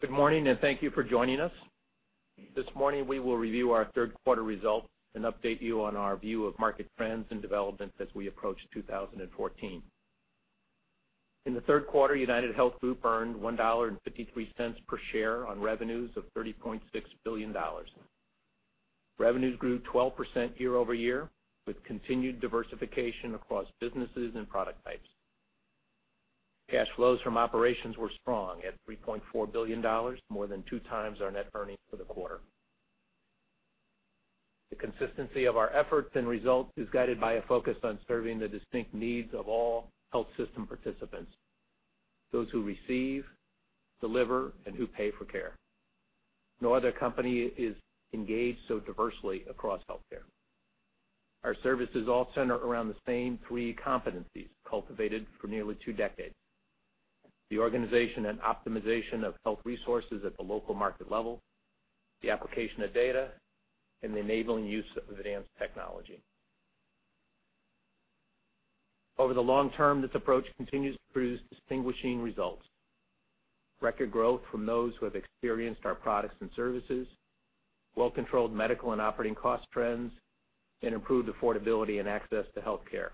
Good morning. Thank you for joining us. This morning, we will review our third quarter results, update you on our view of market trends and developments as we approach 2014. In the third quarter, UnitedHealth Group earned $1.53 per share on revenues of $30.6 billion. Revenues grew 12% year-over-year, with continued diversification across businesses and product types. Cash flows from operations were strong at $3.4 billion, more than two times our net earnings for the quarter. The consistency of our efforts and results is guided by a focus on serving the distinct needs of all health system participants, those who receive, deliver, and who pay for care. No other company is engaged so diversely across healthcare. Our services all center around the same three competencies cultivated for nearly two decades: the organization and optimization of health resources at the local market level, the application of data, and the enabling use of advanced technology. Over the long term, this approach continues to produce distinguishing results, record growth from those who have experienced our products and services, well-controlled medical and operating cost trends, and improved affordability and access to healthcare.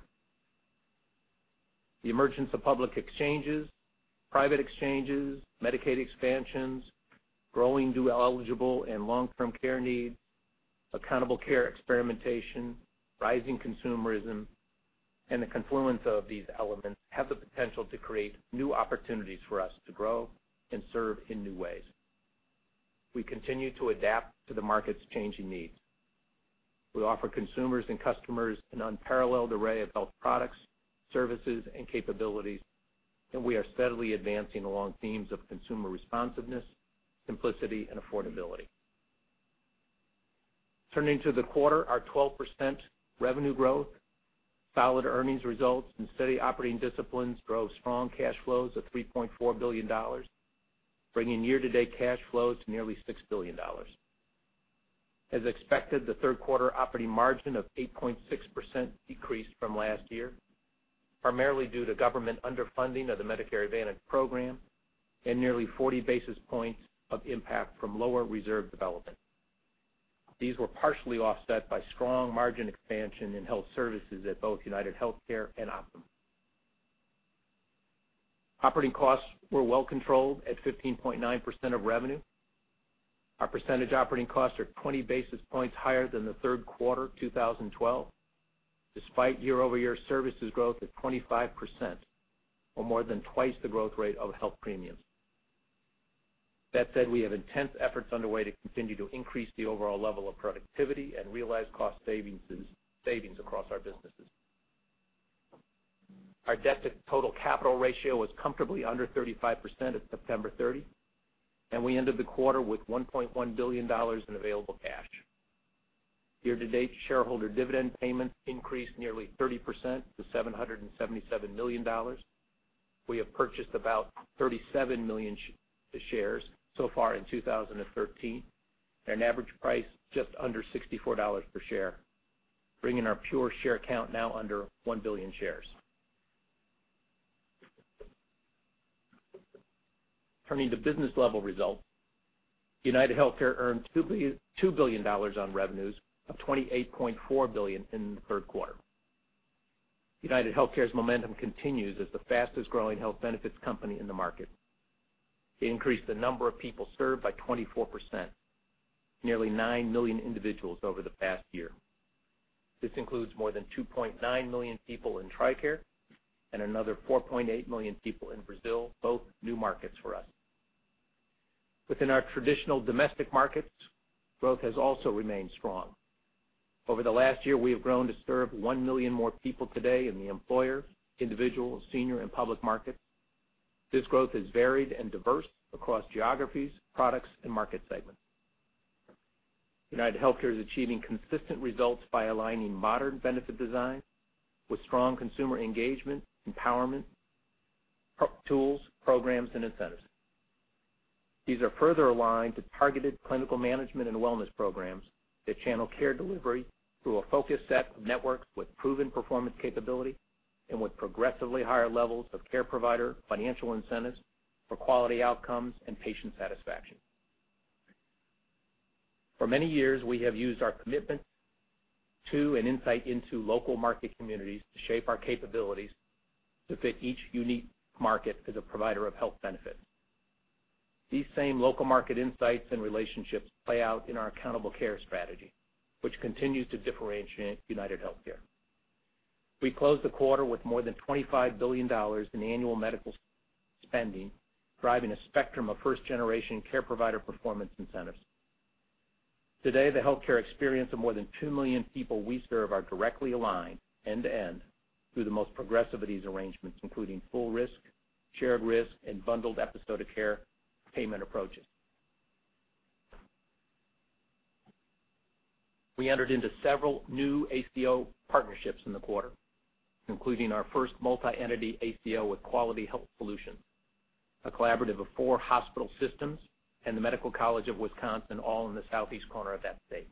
The emergence of public exchanges, private exchanges, Medicaid expansions, growing dual-eligible and long-term care needs, Accountable Care experimentation, rising consumerism, and the confluence of these elements have the potential to create new opportunities for us to grow and serve in new ways. We continue to adapt to the market's changing needs. We offer consumers and customers an unparalleled array of health products, services, and capabilities. We are steadily advancing along themes of consumer responsiveness, simplicity, and affordability. Turning to the quarter, our 12% revenue growth, solid earnings results, and steady operating disciplines drove strong cash flows of $3.4 billion, bringing year-to-date cash flow to nearly $6 billion. As expected, the third quarter operating margin of 8.6% decreased from last year, primarily due to government underfunding of the Medicare Advantage program and nearly 40 basis points of impact from lower reserve development. These were partially offset by strong margin expansion in health services at both UnitedHealthcare and Optum. Operating costs were well controlled at 15.9% of revenue. Our percentage operating costs are 20 basis points higher than the third quarter 2012, despite year-over-year services growth of 25%, or more than twice the growth rate of health premiums. We have intense efforts underway to continue to increase the overall level of productivity and realize cost savings across our businesses. Our debt-to-total capital ratio was comfortably under 35% at September 30. We ended the quarter with $1.1 billion in available cash. Year-to-date shareholder dividend payments increased nearly 30% to $777 million. We have purchased about 37 million shares so far in 2013 at an average price just under $64 per share, bringing our pure share count now under one billion shares. Turning to business level results, UnitedHealthcare earned $2 billion on revenues of $28.4 billion in the third quarter. UnitedHealthcare's momentum continues as the fastest-growing health benefits company in the market. It increased the number of people served by 24%, nearly nine million individuals over the past year. This includes more than 2.9 million people in TRICARE and another 4.8 million people in Brazil, both new markets for us. Within our traditional domestic markets, growth has also remained strong. Over the last year, we have grown to serve 1 million more people today in the employer, individual, senior, and public markets. This growth is varied and diverse across geographies, products, and market segments. UnitedHealthcare is achieving consistent results by aligning modern benefit design with strong consumer engagement, empowerment, tools, programs, and incentives. These are further aligned to targeted clinical management and wellness programs that channel care delivery through a focused set of networks with proven performance capability and with progressively higher levels of care provider financial incentives for quality outcomes and patient satisfaction. For many years, we have used our commitment to and insight into local market communities to shape our capabilities to fit each unique market as a provider of health benefits. These same local market insights and relationships play out in our accountable care strategy, which continues to differentiate UnitedHealthcare. We closed the quarter with more than $25 billion in annual medical spending, driving a spectrum of first-generation care provider performance incentives. Today, the healthcare experience of more than 2 million people we serve are directly aligned end-to-end through the most progressive of these arrangements, including full risk, shared risk, and bundled episodic care payment approaches. We entered into several new ACO partnerships in the quarter, including our first multi-entity ACO with Quality Health Solutions, a collaborative of 4 hospital systems and the Medical College of Wisconsin, all in the southeast corner of that state.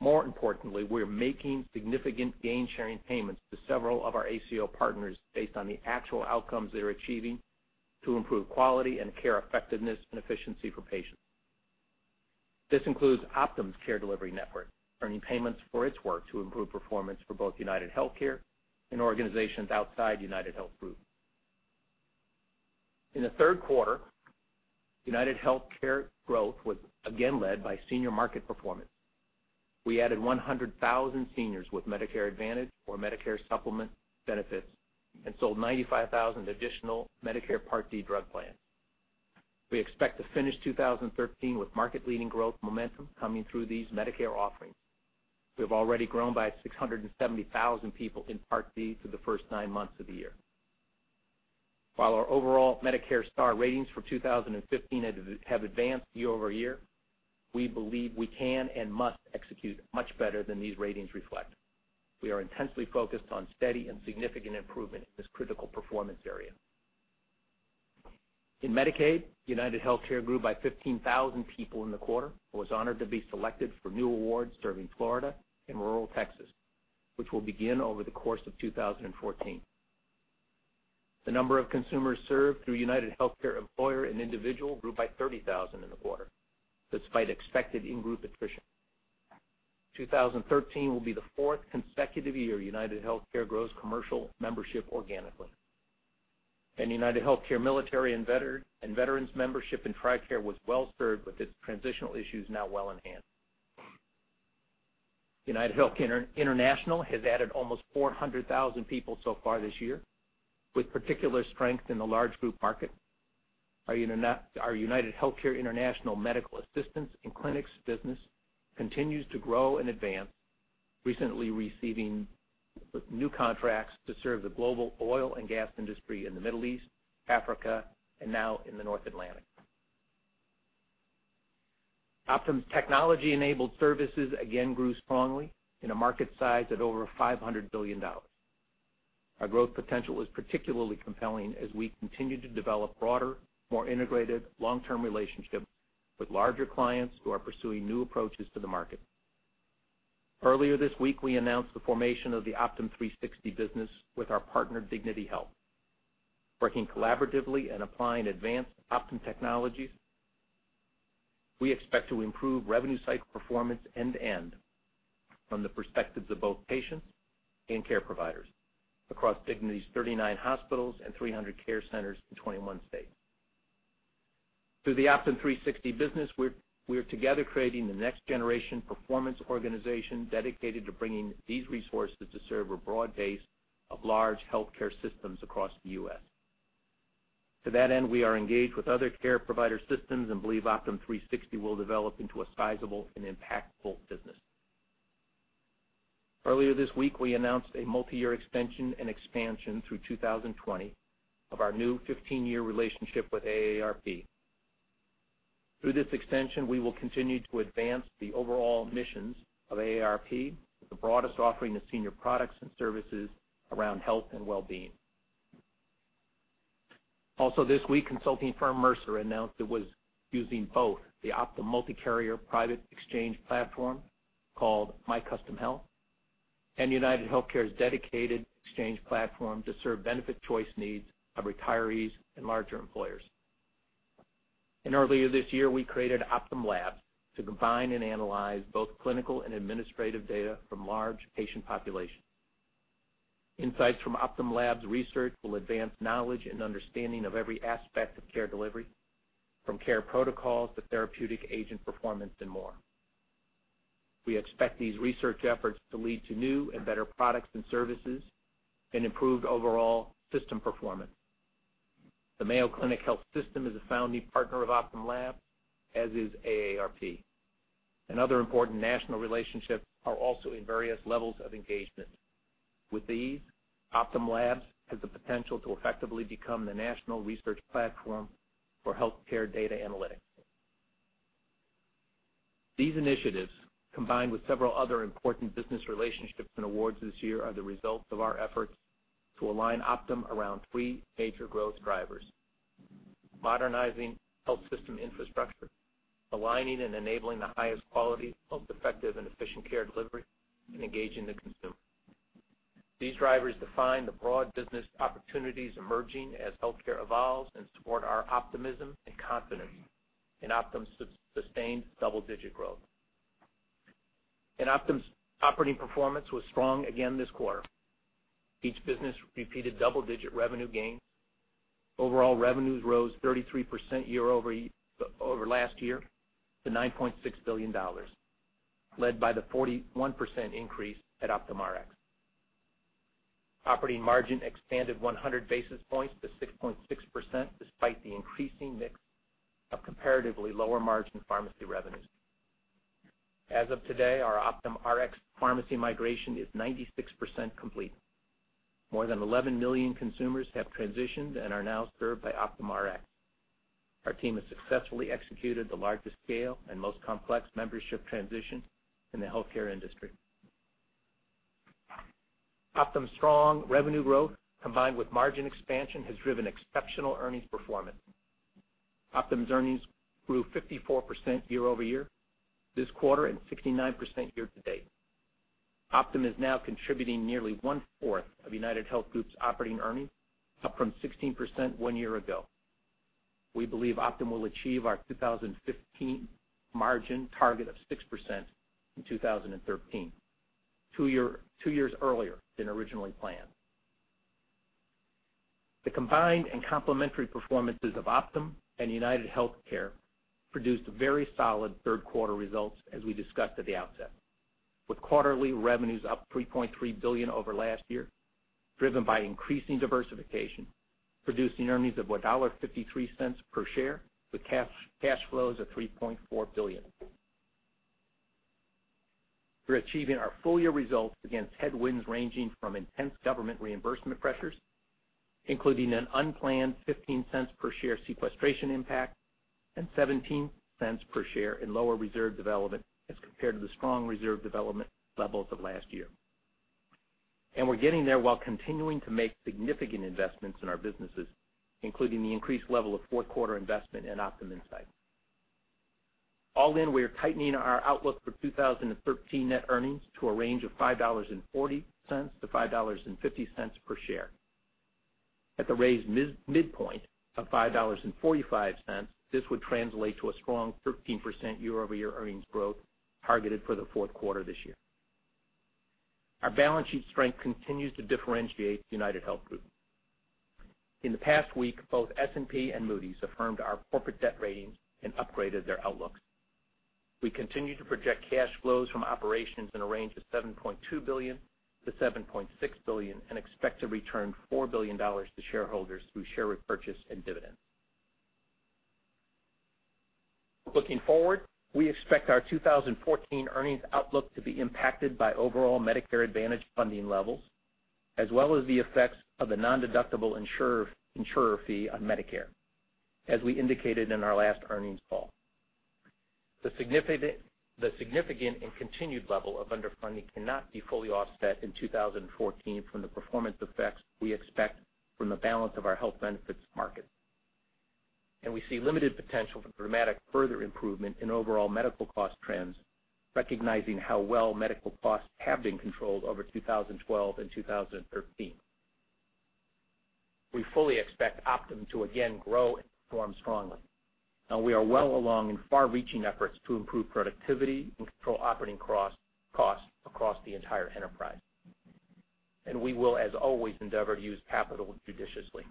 More importantly, we are making significant gain-sharing payments to several of our ACO partners based on the actual outcomes they're achieving to improve quality and care effectiveness and efficiency for patients. This includes Optum's care delivery network, earning payments for its work to improve performance for both UnitedHealthcare and organizations outside UnitedHealth Group. In the third quarter, UnitedHealthcare growth was again led by senior market performance. We added 100,000 seniors with Medicare Advantage or Medicare Supplement benefits and sold 95,000 additional Medicare Part D drug plans. We expect to finish 2013 with market-leading growth momentum coming through these Medicare offerings. We have already grown by 670,000 people in Part D through the first nine months of the year. While our overall Medicare star ratings for 2015 have advanced year-over-year, we believe we can and must execute much better than these ratings reflect. We are intensely focused on steady and significant improvement in this critical performance area. In Medicaid, UnitedHealthcare grew by 15,000 people in the quarter and was honored to be selected for new awards serving Florida and rural Texas, which will begin over the course of 2014. The number of consumers served through UnitedHealthcare Employer and Individual grew by 30,000 in the quarter, despite expected in-group attrition. 2013 will be the fourth consecutive year UnitedHealthcare grows commercial membership organically. UnitedHealthcare Military and Veterans membership in TRICARE was well-served with its transitional issues now well in hand. UnitedHealth International has added almost 400,000 people so far this year, with particular strength in the large group market. Our UnitedHealthcare International medical assistance and clinics business continues to grow and advance, recently receiving new contracts to serve the global oil and gas industry in the Middle East, Africa, and now in the North Atlantic. Optum's technology-enabled services again grew strongly in a market size of over $500 billion. Our growth potential is particularly compelling as we continue to develop broader, more integrated long-term relationships with larger clients who are pursuing new approaches to the market. Earlier this week, we announced the formation of the Optum360 business with our partner, Dignity Health. Working collaboratively and applying advanced Optum technologies, we expect to improve revenue cycle performance end to end from the perspectives of both patients and care providers across Dignity's 39 hospitals and 300 care centers in 21 states. Through the Optum360 business, we are together creating the next-generation performance organization dedicated to bringing these resources to serve a broad base of large healthcare systems across the U.S. To that end, we are engaged with other care provider systems and believe Optum360 will develop into a sizable and impactful business. Earlier this week, we announced a multiyear extension and expansion through 2020 of our new 15-year relationship with AARP. Through this extension, we will continue to advance the overall missions of AARP with the broadest offering of senior products and services around health and wellbeing. Also this week, consulting firm Mercer announced it was using both the Optum multi-carrier private exchange platform, called My Custom Health, and UnitedHealthcare's dedicated exchange platform to serve benefit choice needs of retirees and larger employers. Earlier this year, we created Optum Labs to combine and analyze both clinical and administrative data from large patient populations. Insights from Optum Labs research will advance knowledge and understanding of every aspect of care delivery, from care protocols to therapeutic agent performance and more. We expect these research efforts to lead to new and better products and services and improved overall system performance. The Mayo Clinic Health System is a founding partner of Optum Labs, as is AARP, and other important national relationships are also in various levels of engagement. With these, Optum Labs has the potential to effectively become the national research platform for healthcare data analytics. These initiatives, combined with several other important business relationships and awards this year, are the result of our efforts to align Optum around three major growth drivers: modernizing health system infrastructure, aligning and enabling the highest quality, most effective and efficient care delivery, and engaging the consumer. These drivers define the broad business opportunities emerging as healthcare evolves and support our optimism and confidence in Optum's sustained double-digit growth. Optum's operating performance was strong again this quarter. Each business repeated double-digit revenue gains. Overall revenues rose 33% year-over-year to $9.6 billion, led by the 41% increase at Optum Rx. Operating margin expanded 100 basis points to 6.6%, despite the increasing mix of comparatively lower margin pharmacy revenues. As of today, our Optum Rx pharmacy migration is 96% complete. More than 11 million consumers have transitioned and are now served by Optum Rx. Our team has successfully executed the largest scale and most complex membership transition in the healthcare industry. Optum's strong revenue growth, combined with margin expansion, has driven exceptional earnings performance. Optum's earnings grew 54% year-over-year this quarter and 69% year-to-date. Optum is now contributing nearly one-fourth of UnitedHealth Group's operating earnings, up from 16% one year ago. We believe Optum will achieve our 2015 margin target of 6% in 2013, two years earlier than originally planned. The combined and complementary performances of Optum and UnitedHealthcare produced very solid third-quarter results, as we discussed at the outset. With quarterly revenues up $3.3 billion over last year, driven by increasing diversification, producing earnings of $1.53 per share, with cash flows of $3.4 billion. We're achieving our full-year results against headwinds ranging from intense government reimbursement pressures, including an unplanned $0.15 per share sequestration impact and $0.17 per share in lower reserve development as compared to the strong reserve development levels of last year. We're getting there while continuing to make significant investments in our businesses, including the increased level of fourth-quarter investment in Optum Insight. All in, we are tightening our outlook for 2013 net earnings to a range of $5.40 to $5.50 per share. At the raised midpoint of $5.45, this would translate to a strong 13% year-over-year earnings growth targeted for the fourth quarter this year. Our balance sheet strength continues to differentiate UnitedHealth Group. In the past week, both S&P and Moody's affirmed our corporate debt ratings and upgraded their outlooks. We continue to project cash flows from operations in a range of $7.2 billion to $7.6 billion and expect to return $4 billion to shareholders through share repurchase and dividends. Looking forward, we expect our 2014 earnings outlook to be impacted by overall Medicare Advantage funding levels, as well as the effects of the nondeductible insurer fee on Medicare, as we indicated in our last earnings call. The significant and continued level of underfunding cannot be fully offset in 2014 from the performance effects we expect from the balance of our health benefits market. We see limited potential for dramatic further improvement in overall medical cost trends, recognizing how well medical costs have been controlled over 2012 and 2013. We fully expect Optum to again grow and perform strongly. We are well along in far-reaching efforts to improve productivity and control operating costs across the entire enterprise. We will, as always, endeavor to use capital judiciously.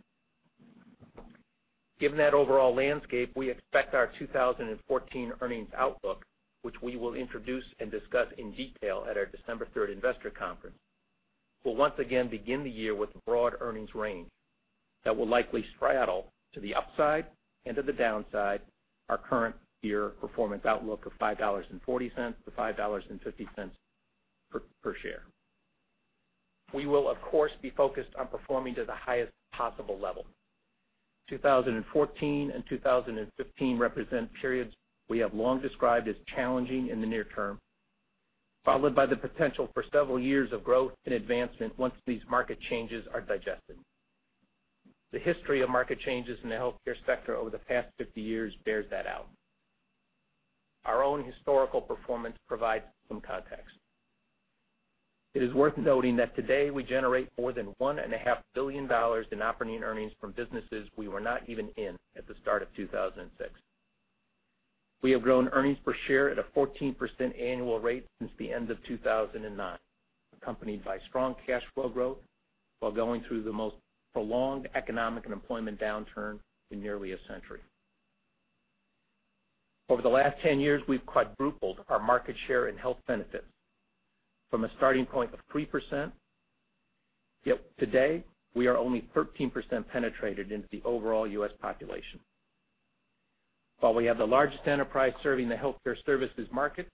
Given that overall landscape, we expect our 2014 earnings outlook, which we will introduce and discuss in detail at our December 3 investor conference, will once again begin the year with a broad earnings range that will likely straddle to the upside and to the downside our current year performance outlook of $5.40 to $5.50 per share. We will, of course, be focused on performing to the highest possible level. 2014 and 2015 represent periods we have long described as challenging in the near term, followed by the potential for several years of growth and advancement once these market changes are digested. The history of market changes in the healthcare sector over the past 50 years bears that out. Our own historical performance provides some context. It is worth noting that today we generate more than $1.5 billion in operating earnings from businesses we were not even in at the start of 2006. We have grown earnings per share at a 14% annual rate since the end of 2009, accompanied by strong cash flow growth while going through the most prolonged economic and employment downturn in nearly a century. Over the last 10 years, we've quadrupled our market share in health benefits from a starting point of 3%. Yet today, we are only 13% penetrated into the overall U.S. population. While we have the largest enterprise serving the healthcare services market,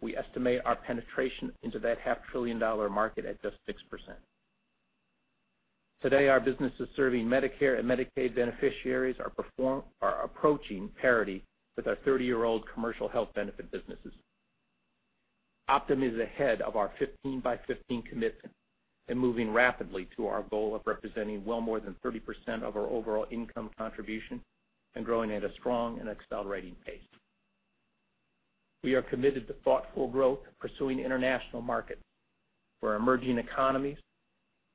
we estimate our penetration into that half trillion-dollar market at just 6%. Today, our businesses serving Medicare and Medicaid beneficiaries are approaching parity with our 30-year-old commercial health benefit businesses. Optum is ahead of our 15 by '15 commitment and moving rapidly to our goal of representing well more than 30% of our overall income contribution and growing at a strong and accelerating pace. We are committed to thoughtful growth, pursuing international markets where emerging economies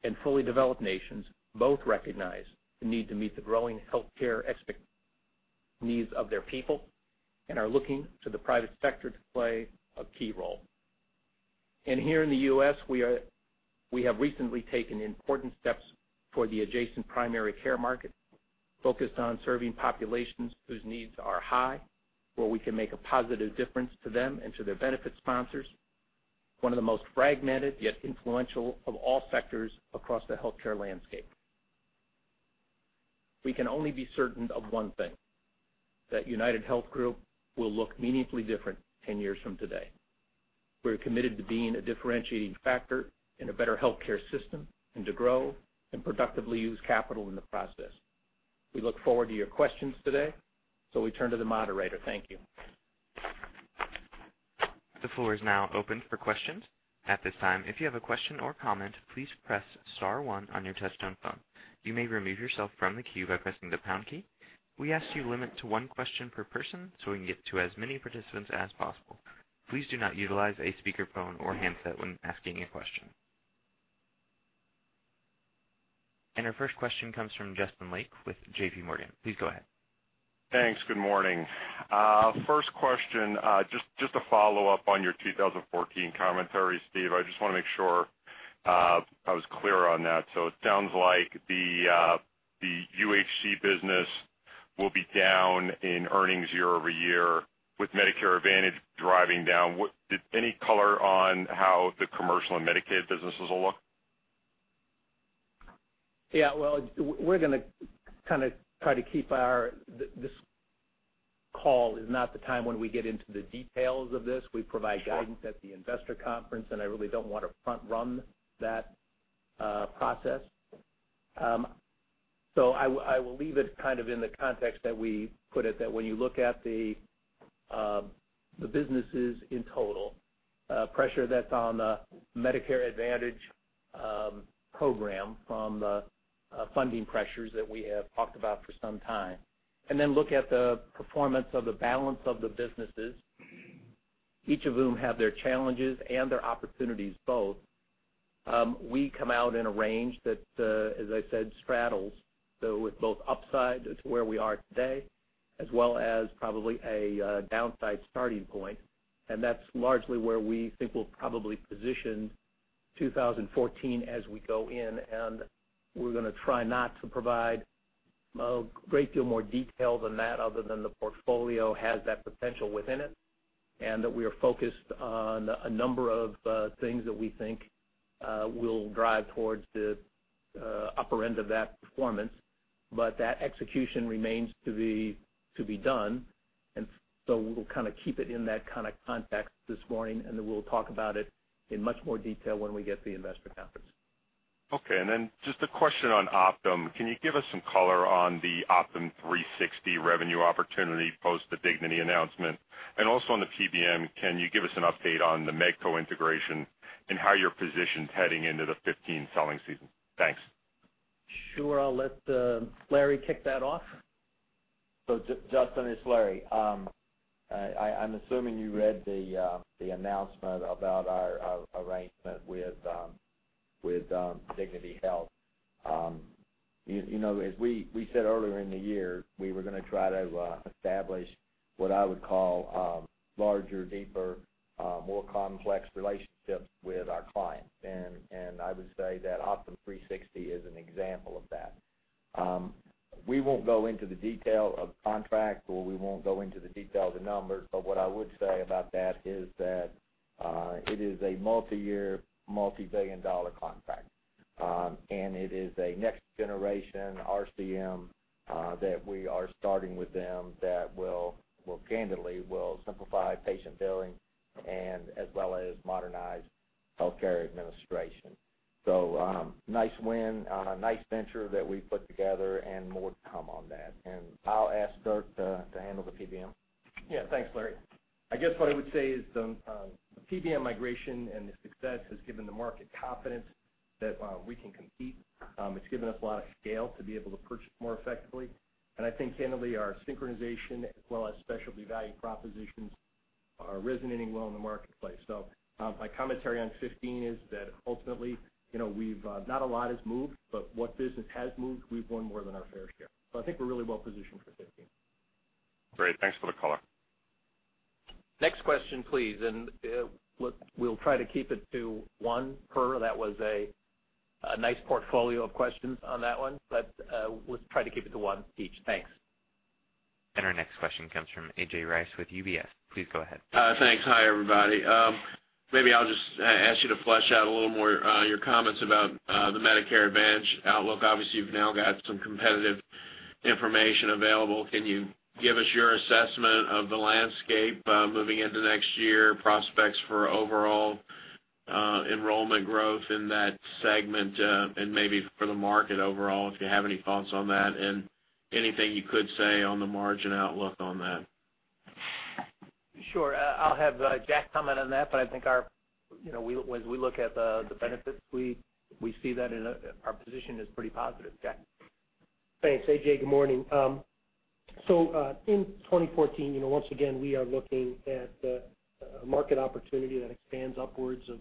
and fully developed nations both recognize the need to meet the growing healthcare needs of their people and are looking to the private sector to play a key role. Here in the U.S., we have recently taken important steps for the adjacent primary care market, focused on serving populations whose needs are high, where we can make a positive difference to them and to their benefit sponsors, one of the most fragmented yet influential of all sectors across the healthcare landscape. We can only be certain of one thing: that UnitedHealth Group will look meaningfully different 10 years from today. We're committed to being a differentiating factor in a better healthcare system and to grow and productively use capital in the process. We look forward to your questions today. We turn to the moderator. Thank you. The floor is now open for questions. At this time, if you have a question or comment, please press star one on your touch-tone phone. You may remove yourself from the queue by pressing the pound key. We ask you limit to one question per person so we can get to as many participants as possible. Please do not utilize a speakerphone or handset when asking a question. Our first question comes from Justin Lake with JPMorgan. Please go ahead. Thanks. Good morning. First question, just a follow-up on your 2014 commentary, Steve. I just want to make sure I was clear on that. It sounds like the UHC business will be down in earnings year-over-year with Medicare Advantage driving down. Any color on how the commercial and Medicaid businesses will look? Yeah. Well, this call is not the time when we get into the details of this. We provide guidance at the investor conference. I really don't want to front-run that process. I will leave it in the context that we put it, that when you look at the businesses in total, pressure that's on the Medicare Advantage program from the funding pressures that we have talked about for some time, look at the performance of the balance of the businesses, each of whom have their challenges and their opportunities both. We come out in a range that, as I said, straddles. With both upside as to where we are today, as well as probably a downside starting point. That's largely where we think we'll probably position 2014 as we go in. We're going to try not to provide a great deal more detail than that other than the portfolio has that potential within it. We are focused on a number of things that we think will drive towards the upper end of that performance. That execution remains to be done. We will keep it in that kind of context this morning. We'll talk about it in much more detail when we get to the investor conference. Okay. Just a question on Optum. Can you give us some color on the Optum360 revenue opportunity post the Dignity announcement? Also on the PBM, can you give us an update on the Medco integration and how you're positioned heading into the 2015 selling season? Thanks. Sure. I'll let Larry kick that off. Justin, it's Larry. I'm assuming you read the announcement about our arrangement with Dignity Health. As we said earlier in the year, we were going to try to establish what I would call larger, deeper, more complex relationships with our clients. I would say that Optum360 is an example of that. We won't go into the detail of contracts, or we won't go into the detail of the numbers, but what I would say about that is that it is a multi-year, multi-billion dollar contract. It is a next generation RCM that we are starting with them that candidly will simplify patient billing as well as modernize healthcare administration. Nice win on a nice venture that we put together and more to come on that. I'll ask Dirk to handle the PBM. Yeah. Thanks, Larry. I guess what I would say is the PBM migration and the success has given the market confidence that we can compete. It's given us a lot of scale to be able to purchase more effectively. I think candidly, our synchronization as well as specialty value propositions are resonating well in the marketplace. My commentary on '15 is that ultimately, not a lot has moved, but what business has moved, we've won more than our fair share. I think we're really well positioned for '15. Great. Thanks for the color. Next question, please. We'll try to keep it to one per. That was a nice portfolio of questions on that one, let's try to keep it to one each. Thanks. Our next question comes from A.J. Rice with UBS. Please go ahead. Thanks. Hi, everybody. Maybe I'll just ask you to flesh out a little more your comments about the Medicare Advantage outlook. Obviously, you've now got some competitive information available. Can you give us your assessment of the landscape moving into next year, prospects for overall enrollment growth in that segment? Maybe for the market overall, if you have any thoughts on that, and anything you could say on the margin outlook on that? Sure. I'll have Jack comment on that, but I think as we look at the benefits, we see that our position is pretty positive. Jack? Thanks, A.J. Good morning. In 2014, once again, we are looking at a market opportunity that expands upwards of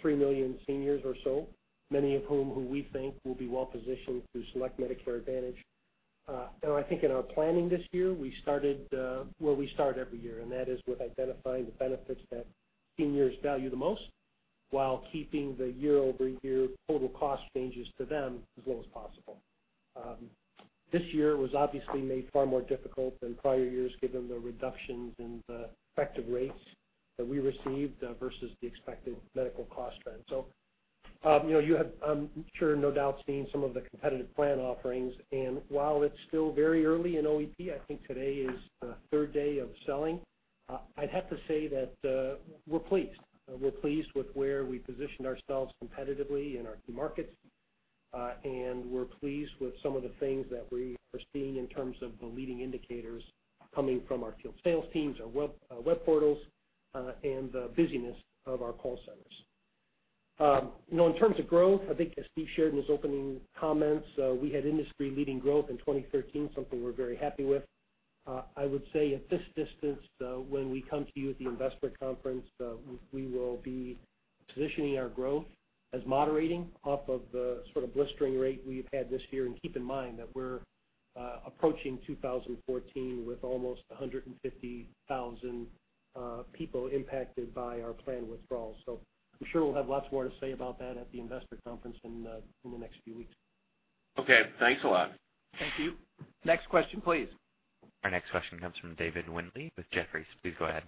3 million seniors or so, many of whom who we think will be well positioned to select Medicare Advantage. I think in our planning this year, we started where we start every year, and that is with identifying the benefits that seniors value the most while keeping the year-over-year total cost changes to them as low as possible. This year was obviously made far more difficult than prior years, given the reductions in the effective rates that we received versus the expected medical cost trend. You have, I'm sure, no doubt seen some of the competitive plan offerings, and while it's still very early in OEP, I think today is the third day of selling, I'd have to say that we're pleased. We're pleased with where we positioned ourselves competitively in our key markets. We're pleased with some of the things that we are seeing in terms of the leading indicators coming from our field sales teams, our web portals, and the busyness of our call centers. In terms of growth, I think as Steve shared in his opening comments, we had industry-leading growth in 2013, something we're very happy with. I would say at this distance, when we come to you at the investor conference, we will be positioning our growth as moderating off of the sort of blistering rate we've had this year. Keep in mind that we're approaching 2014 with almost 150,000 people impacted by our planned withdrawals. I'm sure we'll have lots more to say about that at the investor conference in the next few weeks. Okay. Thanks a lot. Thank you. Next question, please. Our next question comes from David Windley with Jefferies. Please go ahead.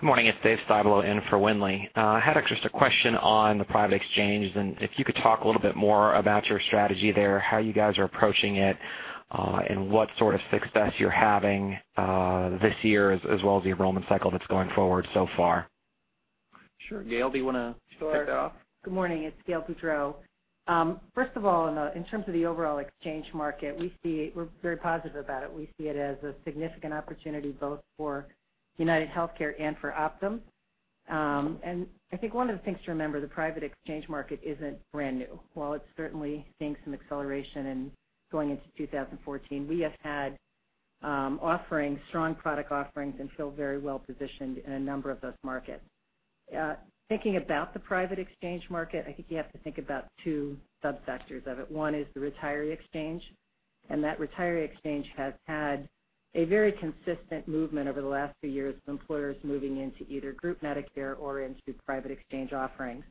Good morning. It's David Styblo in for Windley. I had just a question on the private exchange, and if you could talk a little bit more about your strategy there, and how you guys are approaching it, and what sort of success you're having this year, as well as the enrollment cycle that's going forward so far. Sure. Gail, do you want to kick that off? Sure. Good morning. It's Gail Boudreaux. First of all, in terms of the overall exchange market, we're very positive about it. We see it as a significant opportunity both for UnitedHealthcare and for Optum. I think one of the things to remember, the private exchange market isn't brand new. While it's certainly seeing some acceleration and going into 2014, we have had strong product offerings and feel very well positioned in a number of those markets. Thinking about the private exchange market, I think you have to think about two sub-sectors of it. One is the retiree exchange, and that retiree exchange has had a very consistent movement over the last few years with employers moving into either group Medicare or into private exchange offerings.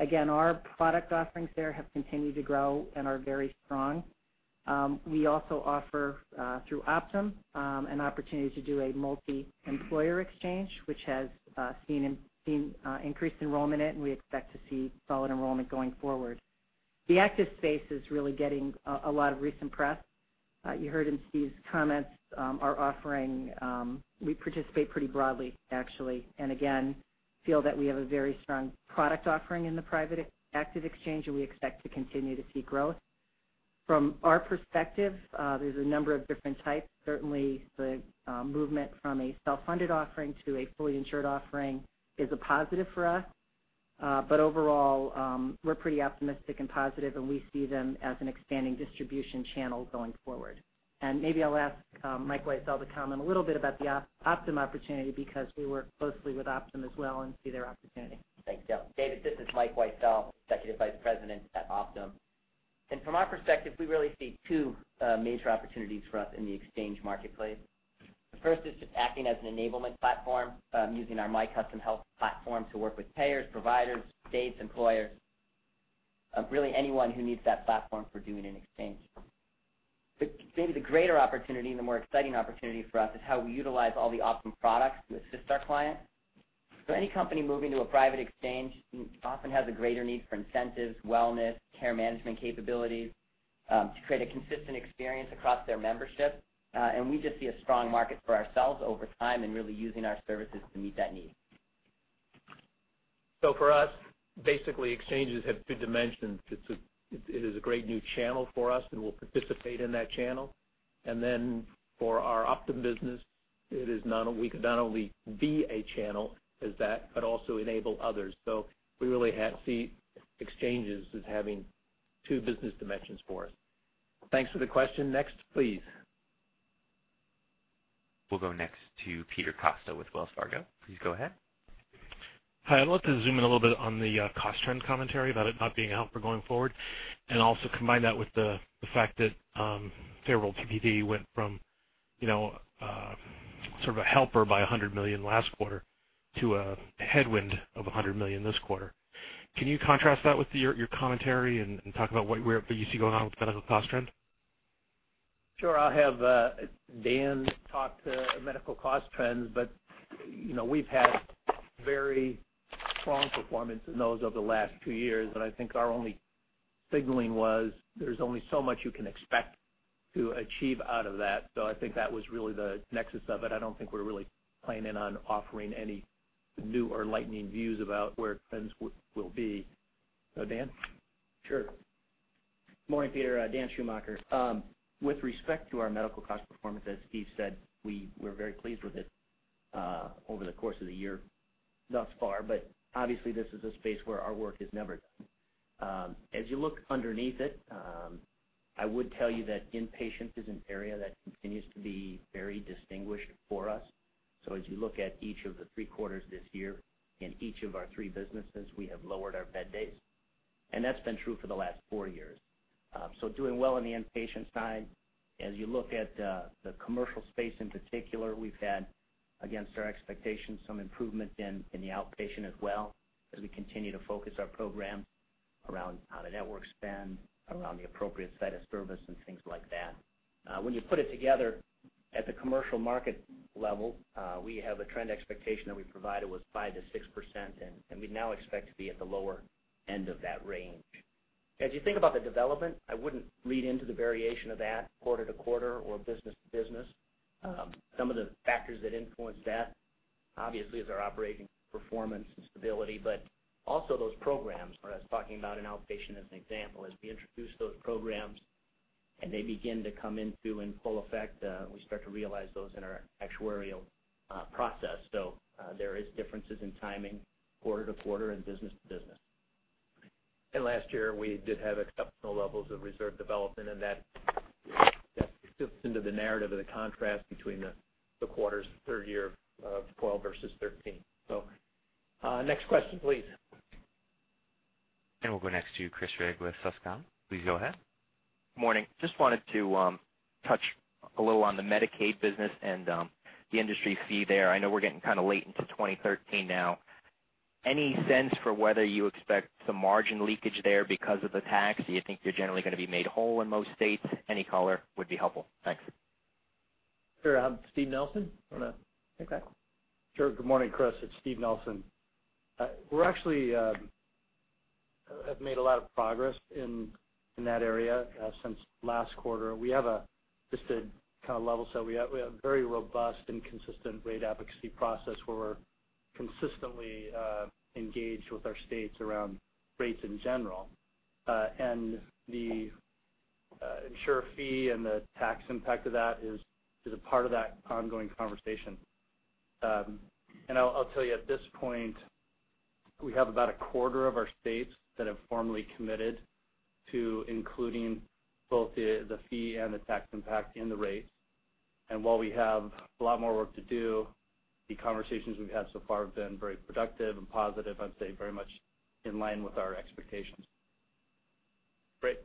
Again, our product offerings there have continued to grow and are very strong. We also offer, through Optum, an opportunity to do a multi-employer exchange, which has seen increased enrollment in it, and we expect to see solid enrollment going forward. The active space is really getting a lot of recent press. You heard in Steve's comments, our offering, we participate pretty broadly, actually, and again, feel that we have a very strong product offering in the private active exchange, and we expect to continue to see growth. From our perspective, there's a number of different types. Certainly, the movement from a self-funded offering to a fully insured offering is a positive for us. Overall, we're pretty optimistic and positive, and we see them as an expanding distribution channel going forward. Maybe I'll ask Mike Weissel to comment a little bit about the Optum opportunity because we work closely with Optum as well and see their opportunity. Thanks, Gail. David, this is Mike Weissel, Executive Vice President at Optum. From our perspective, we really see two major opportunities for us in the exchange marketplace. The first is just acting as an enablement platform using our My Custom Health platform to work with payers, providers, states, employers, really anyone who needs that platform for doing an exchange. Maybe the greater opportunity and the more exciting opportunity for us is how we utilize all the Optum products to assist our clients. Any company moving to a private exchange often has a greater need for incentives, wellness, care management capabilities to create a consistent experience across their membership. We just see a strong market for ourselves over time and really using our services to meet that need. For us, basically, exchanges have two dimensions. It is a great new channel for us, and we'll participate in that channel. For our Optum business, we could not only be a channel as that, but also enable others. We really see exchanges as having two business dimensions for us. Thanks for the question. Next, please. We'll go next to Peter Costa with Wells Fargo. Please go ahead. Hi, I'd love to zoom in a little bit on the cost trend commentary about it not being a helper going forward, and also combine that with the fact that favorable PPD went from sort of a helper by $100 million last quarter to a headwind of $100 million this quarter. Can you contrast that with your commentary and talk about what you see going on with the medical cost trend? Sure. I'll have Dan talk to medical cost trends, but we've had very strong performance in those over the last two years. I think our only signaling was there's only so much you can expect to achieve out of that. I think that was really the nexus of it. I don't think we're really planning on offering any new or enlightening views about where trends will be. Dan? Sure. Morning, Peter. Dan Schumacher. With respect to our medical cost performance, as Steve said, we were very pleased with it over the course of the year thus far, but obviously, this is a space where our work is never done. As you look underneath it, I would tell you that inpatient is an area that continues to be very distinguished for us. As you look at each of the three quarters this year, in each of our three businesses, we have lowered our bed days, and that's been true for the last four years. Doing well on the inpatient side. As you look at the commercial space in particular, we've had, against our expectations, some improvement in the outpatient as well as we continue to focus our program around how the networks spend, around the appropriate site of service, and things like that. When you put it together at the commercial market level, we have a trend expectation that we provided was 5%-6%, and we now expect to be at the lower end of that range. As you think about the development, I wouldn't read into the variation of that quarter to quarter or business to business. Some of the factors that influence that Obviously, is our operating performance and stability, also those programs, where I was talking about in outpatient as an example. As we introduce those programs and they begin to come into in full effect, we start to realize those in our actuarial process. There is differences in timing quarter-to-quarter and business to business. Last year, we did have exceptional levels of reserve development, that fits into the narrative of the contrast between the quarters for 3rd year of 2012 versus 2013. Next question, please. We'll go next to Chris Rigg with Susquehanna. Please go ahead. Morning. Just wanted to touch a little on the Medicaid business and the insurer fee there. I know we're getting kind of late into 2013 now. Any sense for whether you expect some margin leakage there because of the tax? Do you think you're generally going to be made whole in most states? Any color would be helpful. Thanks. Sure. Steven Nelson, you want to take that? Sure. Good morning, Chris. It's Steven Nelson. We actually have made a lot of progress in that area since last quarter. Just to kind of level set, we have a very robust and consistent rate advocacy process where we're consistently engaged with our states around rates in general. The insurer fee and the tax impact of that is a part of that ongoing conversation. I'll tell you, at this point, we have about a quarter of our states that have formally committed to including both the fee and the tax impact in the rates. While we have a lot more work to do, the conversations we've had so far have been very productive and positive. I'd say very much in line with our expectations. Great.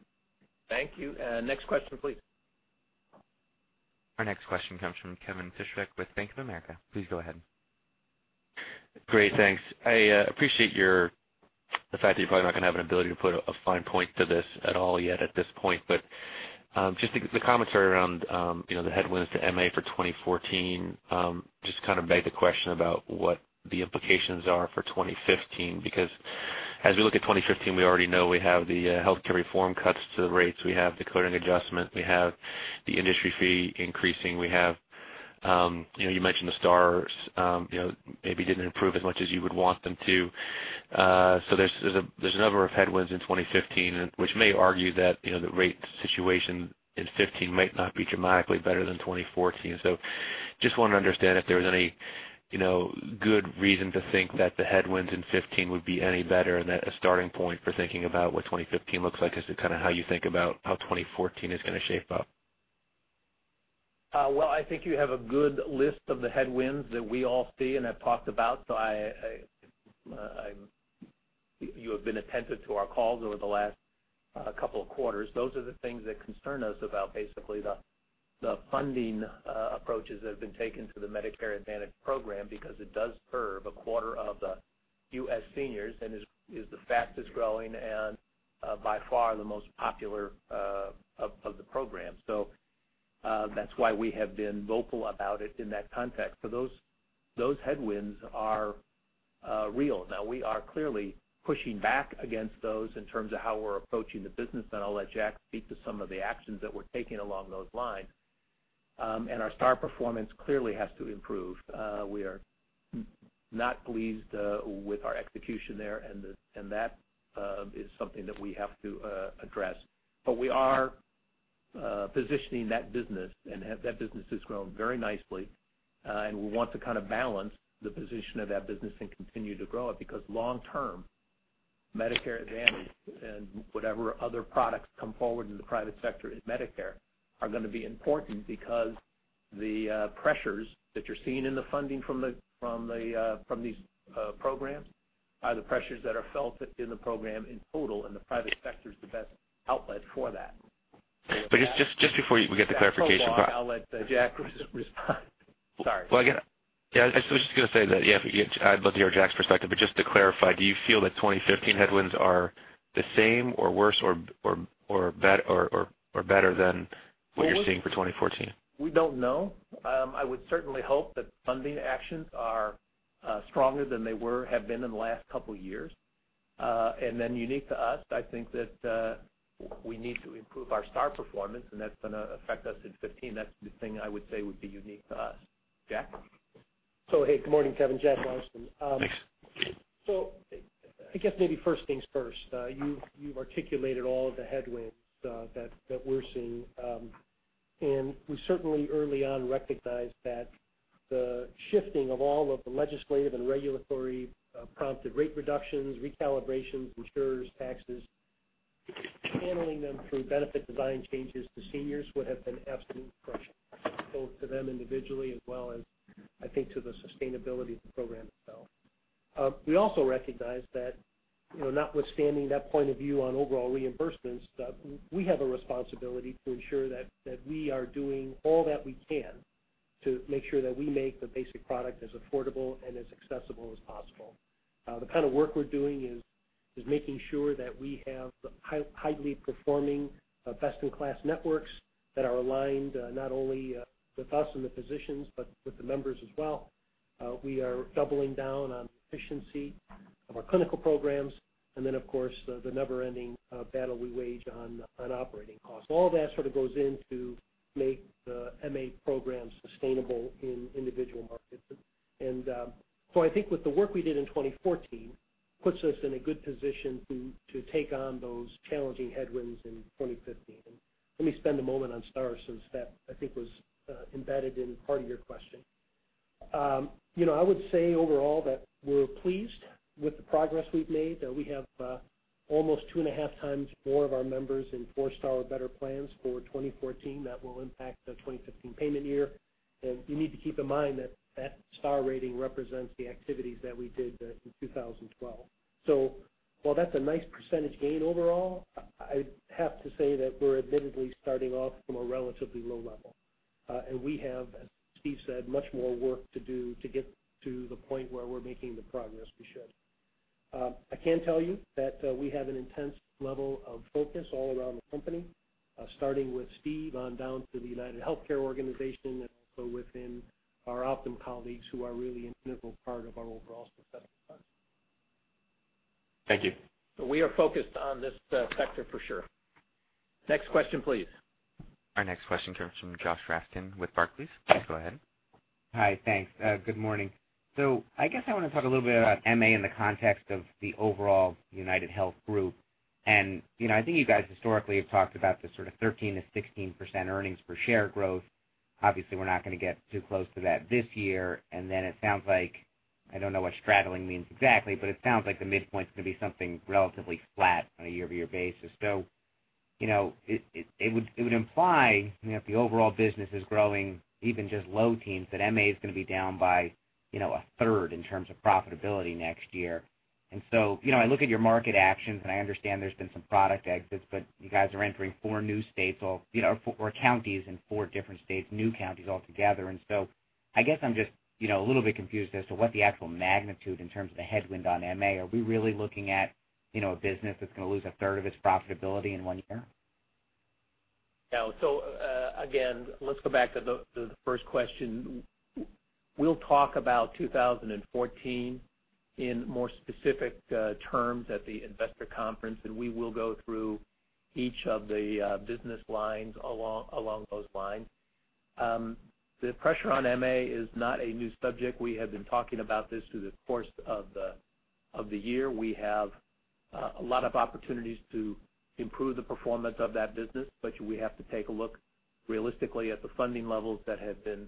Thank you. Next question, please. Our next question comes from Kevin Fischbeck with Bank of America. Please go ahead. Great. Thanks. I appreciate the fact that you're probably not going to have an ability to put a fine point to this at all yet at this point. Just the commentary around the headwinds to MA for 2014, just kind of beg the question about what the implications are for 2015. Because as we look at 2015, we already know we have the healthcare reform cuts to the rates, we have the coding adjustment, we have the insurer fee increasing. You mentioned the stars maybe didn't improve as much as you would want them to. There's a number of headwinds in 2015, which may argue that the rate situation in 2015 might not be dramatically better than 2014. Just want to understand if there was any good reason to think that the headwinds in 2015 would be any better than that starting point for thinking about what 2015 looks like as to kind of how you think about how 2014 is going to shape up. Well, I think you have a good list of the headwinds that we all see and have talked about. You have been attentive to our calls over the last couple of quarters. Those are the things that concern us about basically the funding approaches that have been taken to the Medicare Advantage program because it does serve a quarter of the U.S. seniors and is the fastest growing and by far the most popular of the programs. That's why we have been vocal about it in that context. Those headwinds are real. Now we are clearly pushing back against those in terms of how we're approaching the business, and I'll let Jack speak to some of the actions that we're taking along those lines. Our star performance clearly has to improve. We are not pleased with our execution there. That is something that we have to address. We are positioning that business. That business has grown very nicely, and we want to kind of balance the position of that business and continue to grow it because long term, Medicare Advantage and whatever other products come forward in the private sector in Medicare are going to be important because the pressures that you're seeing in the funding from these programs are the pressures that are felt in the program in total, and the private sector's the best outlet for that. Just before we get the clarification. That's so long, I'll let Jack respond. Sorry. Again, I was just going to say that, yeah, I'd love to hear Jack's perspective. Just to clarify, do you feel that 2015 headwinds are the same or worse or better than what you're seeing for 2014? We don't know. I would certainly hope that funding actions are stronger than they have been in the last couple of years. Unique to us, I think that we need to improve our star performance, and that's going to affect us in 2015. That's the thing I would say would be unique to us. Jack? Hey, good morning, Kevin. Jack Larsen. Thanks. I guess maybe first things first. You've articulated all of the headwinds that we're seeing. We certainly early on recognized that the shifting of all of the legislative and regulatory prompted rate reductions, recalibrations, insurer fees, taxes, handling them through benefit design changes to seniors would have been an absolute crush, both to them individually as well as, I think, to the sustainability of the program itself. We also recognize that notwithstanding that point of view on overall reimbursements, that we have a responsibility to ensure that we are doing all that we can to make sure that we make the basic product as affordable and as accessible as possible. The kind of work we're doing is making sure that we have highly performing best-in-class networks that are aligned not only with us and the physicians, but with the members as well. We are doubling down on efficiency of our clinical programs, then, of course, the never-ending battle we wage on operating costs. All that sort of goes in to make the MA program sustainable in individual markets. I think with the work we did in 2014 puts us in a good position to take on those challenging headwinds in 2015. Let me spend a moment on stars since that, I think, was embedded in part of your question. I would say overall that we're pleased with the progress we've made, that we have almost two and a half times more of our members in four-star or better plans for 2014. That will impact the 2015 payment year. You need to keep in mind that that star rating represents the activities that we did in 2012. While that's a nice percentage gain overall, I'd have to say that we're admittedly starting off from a relatively low level. We have, as Steve said, much more work to do to get to the point where we're making the progress we should. I can tell you that we have an intense level of focus all around the company, starting with Steve on down to the UnitedHealthcare organization and also within our Optum colleagues, who are really an integral part of our overall success. Thank you. We are focused on this sector for sure. Next question, please. Our next question comes from Joshua Raskin with Barclays. Please go ahead. Hi, thanks. Good morning. I guess I want to talk a little bit about MA in the context of the overall UnitedHealth Group. I think you guys historically have talked about the sort of 13%-16% earnings per share growth. Obviously, we're not going to get too close to that this year, it sounds like, I don't know what straddling means exactly, but it sounds like the midpoint's going to be something relatively flat on a year-over-year basis. It would imply that if the overall business is growing even just low teens, that MA is going to be down by a third in terms of profitability next year. I look at your market actions, and I understand there's been some product exits, but you guys are entering four new states or counties in four different states, new counties altogether. I guess I'm just a little bit confused as to what the actual magnitude in terms of the headwind on MA. Are we really looking at a business that's going to lose a third of its profitability in one year? Again, let's go back to the first question. We'll talk about 2014 in more specific terms at the investor conference, and we will go through each of the business lines along those lines. The pressure on MA is not a new subject. We have been talking about this through the course of the year. We have a lot of opportunities to improve the performance of that business, but we have to take a look realistically at the funding levels that have been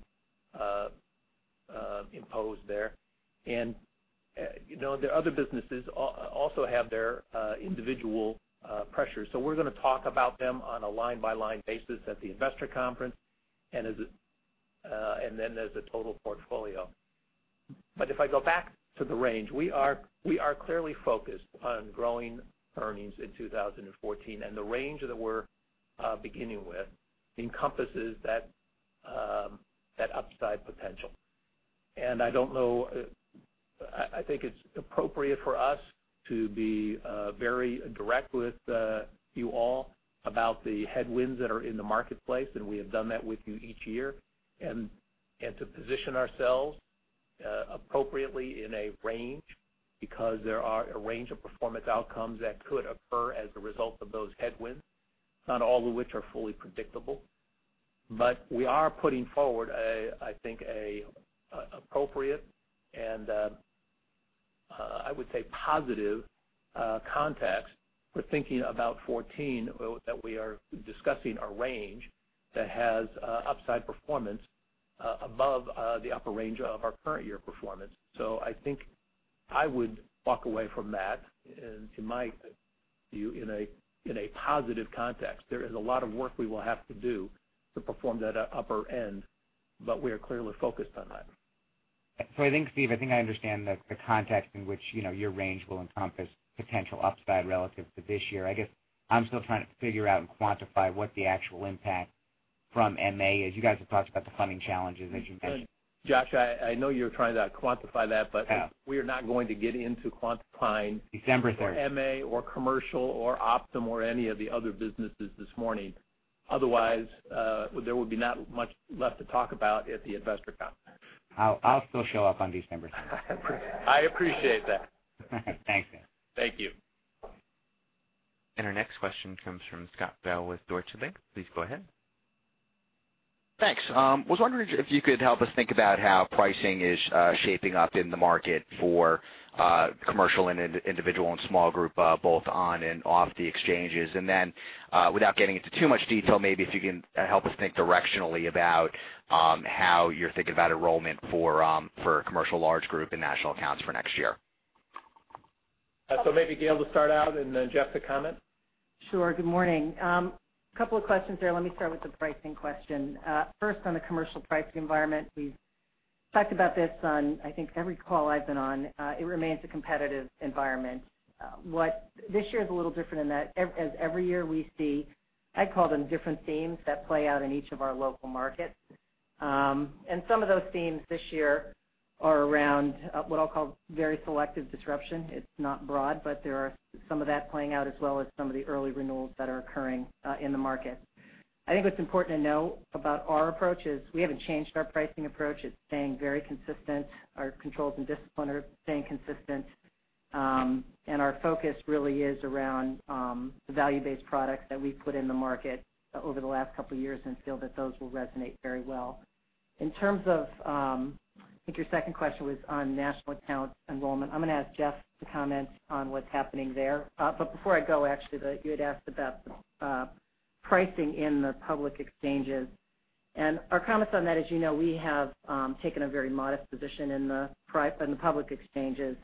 imposed there. The other businesses also have their individual pressures. We're going to talk about them on a line-by-line basis at the investor conference, and then as a total portfolio. If I go back to the range, we are clearly focused on growing earnings in 2014, and the range that we're beginning with encompasses that upside potential. I don't know, I think it's appropriate for us to be very direct with you all about the headwinds that are in the marketplace, and we have done that with you each year. To position ourselves appropriately in a range because there are a range of performance outcomes that could occur as a result of those headwinds, not all of which are fully predictable. We are putting forward, I think, an appropriate and, I would say, positive context for thinking about 2014 that we are discussing a range that has upside performance above the upper range of our current year performance. I think I would walk away from that in my view in a positive context. There is a lot of work we will have to do to perform at that upper end, we are clearly focused on that. I think, Steve, I think I understand the context in which your range will encompass potential upside relative to this year. I guess I'm still trying to figure out and quantify what the actual impact from MA is. You guys have talked about the funding challenges, as you mentioned. Josh, I know you're trying to quantify that, we are not going to get into quantifying. December 30th. MA or commercial or Optum or any of the other businesses this morning. There would be not much left to talk about at the investor conference. I'll still show up on December 30th. I appreciate that. Thanks. Thank you. Our next question comes from Scott Fidel with Deutsche Bank. Please go ahead. Thanks. Was wondering if you could help us think about how pricing is shaping up in the market for commercial and individual and small group, both on and off the exchanges. Without getting into too much detail, maybe if you can help us think directionally about how you're thinking about enrollment for commercial large group and national accounts for next year. Maybe Gail to start out, then Jeff to comment. Sure. Good morning. Two questions there. Let me start with the pricing question. First, on the commercial pricing environment, we've talked about this on, I think, every call I've been on. It remains a competitive environment. This year is a little different in that as every year we see, I'd call them different themes that play out in each of our local markets. Some of those themes this year are around what I'll call very selective disruption. It's not broad, but there are some of that playing out as well as some of the early renewals that are occurring in the market. I think what's important to know about our approach is we haven't changed our pricing approach. It's staying very consistent. Our controls and discipline are staying consistent. Our focus really is around the value-based products that we've put in the market over the last two years and feel that those will resonate very well. In terms of, I think your second question was on national account enrollment. I'm going to ask Jeff to comment on what's happening there. Before I go, actually, you had asked about pricing in the public exchanges. Our comments on that, as you know, we have taken a very modest position in the public exchanges.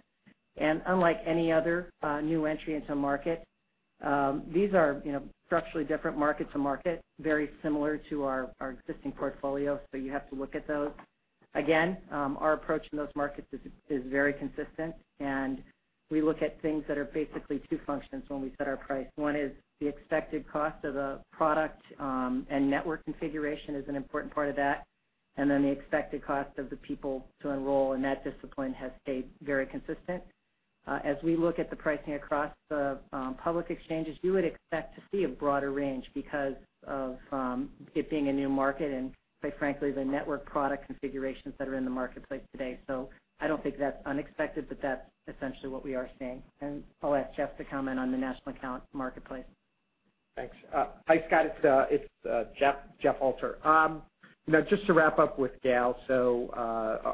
Unlike any other new entry into a market, these are structurally different market to market, very similar to our existing portfolio, so you have to look at those. Again, our approach in those markets is very consistent, and we look at things that are basically two functions when we set our price. One is the expected cost of the product, and network configuration is an important part of that, and then the expected cost of the people to enroll, and that discipline has stayed very consistent. As we look at the pricing across the public exchanges, you would expect to see a broader range because of it being a new market, and quite frankly, the network product configurations that are in the marketplace today. I don't think that's unexpected, but that's essentially what we are seeing. I'll ask Jeff to comment on the national account marketplace. Thanks. Hi, Scott. It's Jeff Alter. Just to wrap up with Gail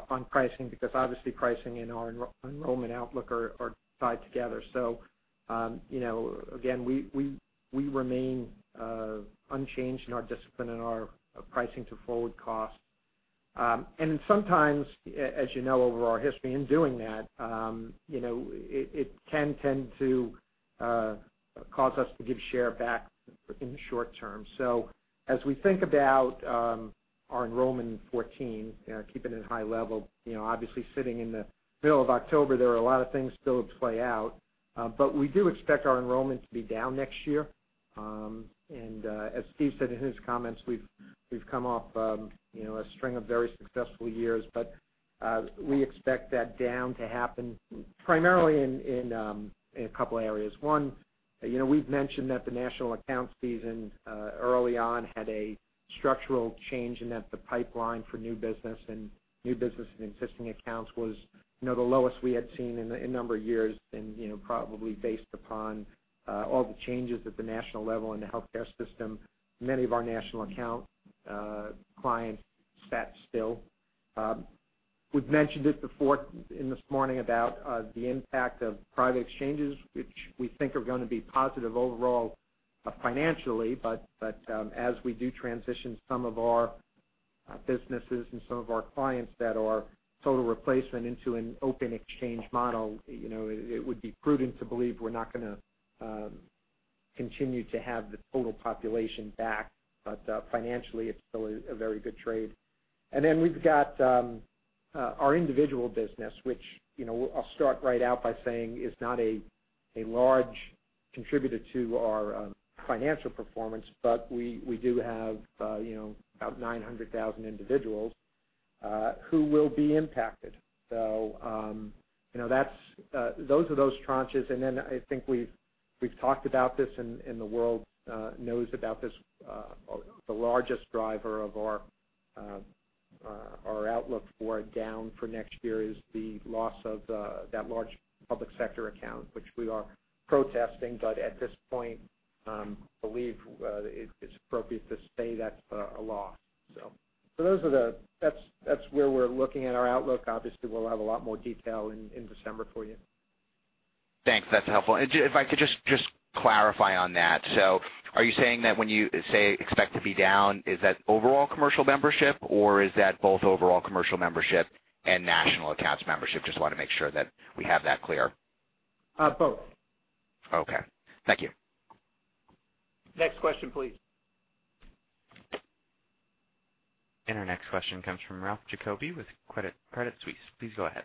on pricing, because obviously pricing and our enrollment outlook are tied together. Again, we remain unchanged in our discipline in our pricing to forward cost. Sometimes, as you know, over our history in doing that, it can tend to cause us to give share back in the short term. As we think about our enrollment in 2014, keeping it high level, obviously sitting in the middle of October, there are a lot of things still to play out. We do expect our enrollment to be down next year. As Steve said in his comments, we've come off a string of very successful years. We expect that down to happen primarily in a couple areas. One, we've mentioned that the national accounts season early on had a structural change in that the pipeline for new business and existing accounts was the lowest we had seen in a number of years, probably based upon all the changes at the national level in the healthcare system. Many of our national account clients sat still. We've mentioned it before this morning about the impact of private exchanges, which we think are going to be positive overall financially. As we do transition some of our businesses and some of our clients that are total replacement into an open exchange model, it would be prudent to believe we're not going to continue to have the total population back. Financially, it's still a very good trade. We've got our individual business, which I'll start right out by saying is not a large contributor to our financial performance. We do have about 900,000 individuals who will be impacted. Those are those tranches. I think we've talked about this and the world knows about this. The largest driver of our outlook for a down for next year is the loss of that large public sector account, which we are protesting. At this point, believe it's appropriate to say that's a loss. That's where we're looking at our outlook. Obviously, we'll have a lot more detail in December for you. Thanks. That's helpful. If I could just clarify on that. Are you saying that when you say expect to be down, is that overall commercial membership, or is that both overall commercial membership and national accounts membership? Just want to make sure that we have that clear. Both. Okay. Thank you. Next question, please. Our next question comes from Ralph Giacobbe with Credit Suisse. Please go ahead.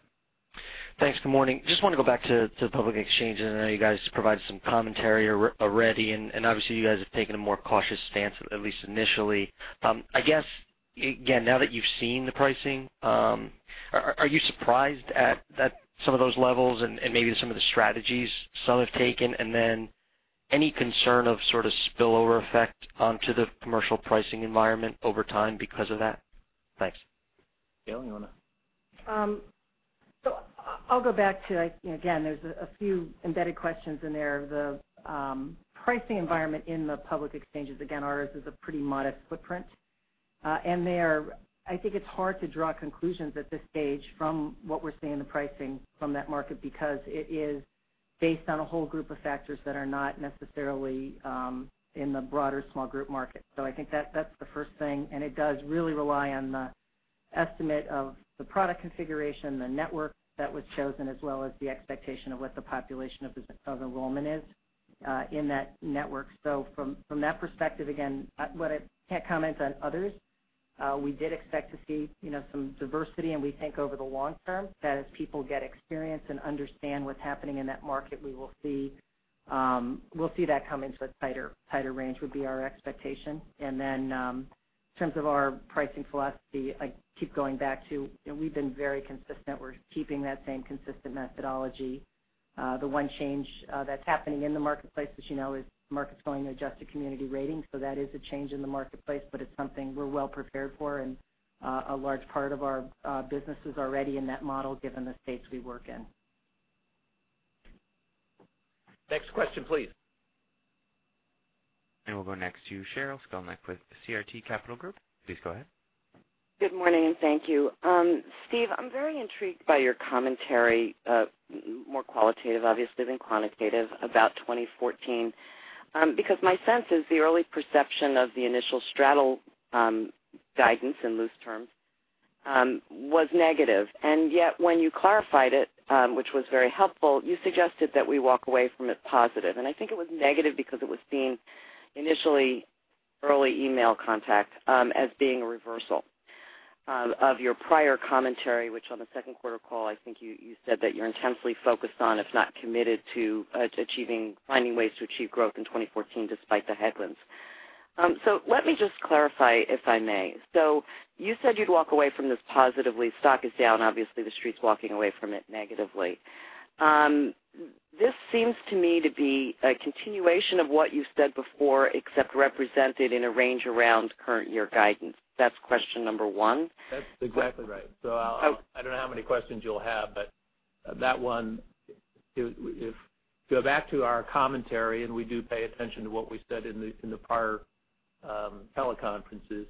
Thanks. Good morning. Just want to go back to public exchanges. I know you guys provided some commentary already, and obviously, you guys have taken a more cautious stance, at least initially. I guess, again, now that you've seen the pricing, are you surprised at some of those levels and maybe some of the strategies some have taken? Any concern of sort of spillover effect onto the commercial pricing environment over time because of that? Thanks. Gail, you want to? I'll go back to, again, there's a few embedded questions in there. The pricing environment in the public exchanges, again, ours is a pretty modest footprint. I think it's hard to draw conclusions at this stage from what we're seeing in the pricing from that market, because it is based on a whole group of factors that are not necessarily in the broader small group market. I think that's the first thing, and it does really rely on the estimate of the product configuration, the network that was chosen, as well as the expectation of what the population of enrollment is in that network. From that perspective, again, I can't comment on others. We did expect to see some diversity, and we think over the long term that as people get experience and understand what's happening in that market, we'll see that come into a tighter range, would be our expectation. In terms of our pricing philosophy, I keep going back to we've been very consistent. We're keeping that same consistent methodology. The one change that's happening in the marketplace, as you know, is markets going to adjusted community rating. That is a change in the marketplace, but it's something we're well prepared for, and a large part of our business is already in that model given the states we work in. Next question, please. And we'll go next to Sheryl Skolnick with CRT Capital Group. Please go ahead. Good morning, and thank you. Steve, I'm very intrigued by your commentary, more qualitative obviously than quantitative about 2014. Because my sense is the early perception of the initial straddle guidance, in loose terms, was negative. And yet when you clarified it, which was very helpful, you suggested that we walk away from it positive. And I think it was negative because it was seen initially early email contact as being a reversal of your prior commentary, which on the second quarter call, I think you said that you're intensely focused on, if not committed to finding ways to achieve growth in 2014 despite the headwinds. So let me just clarify, if I may. So you said you'd walk away from this positively. Stock is down, obviously, the street's walking away from it negatively. That is exactly right. I do not know how many questions you will have, but that one, if go back to our commentary, we do pay attention to what we said in the prior teleconferences,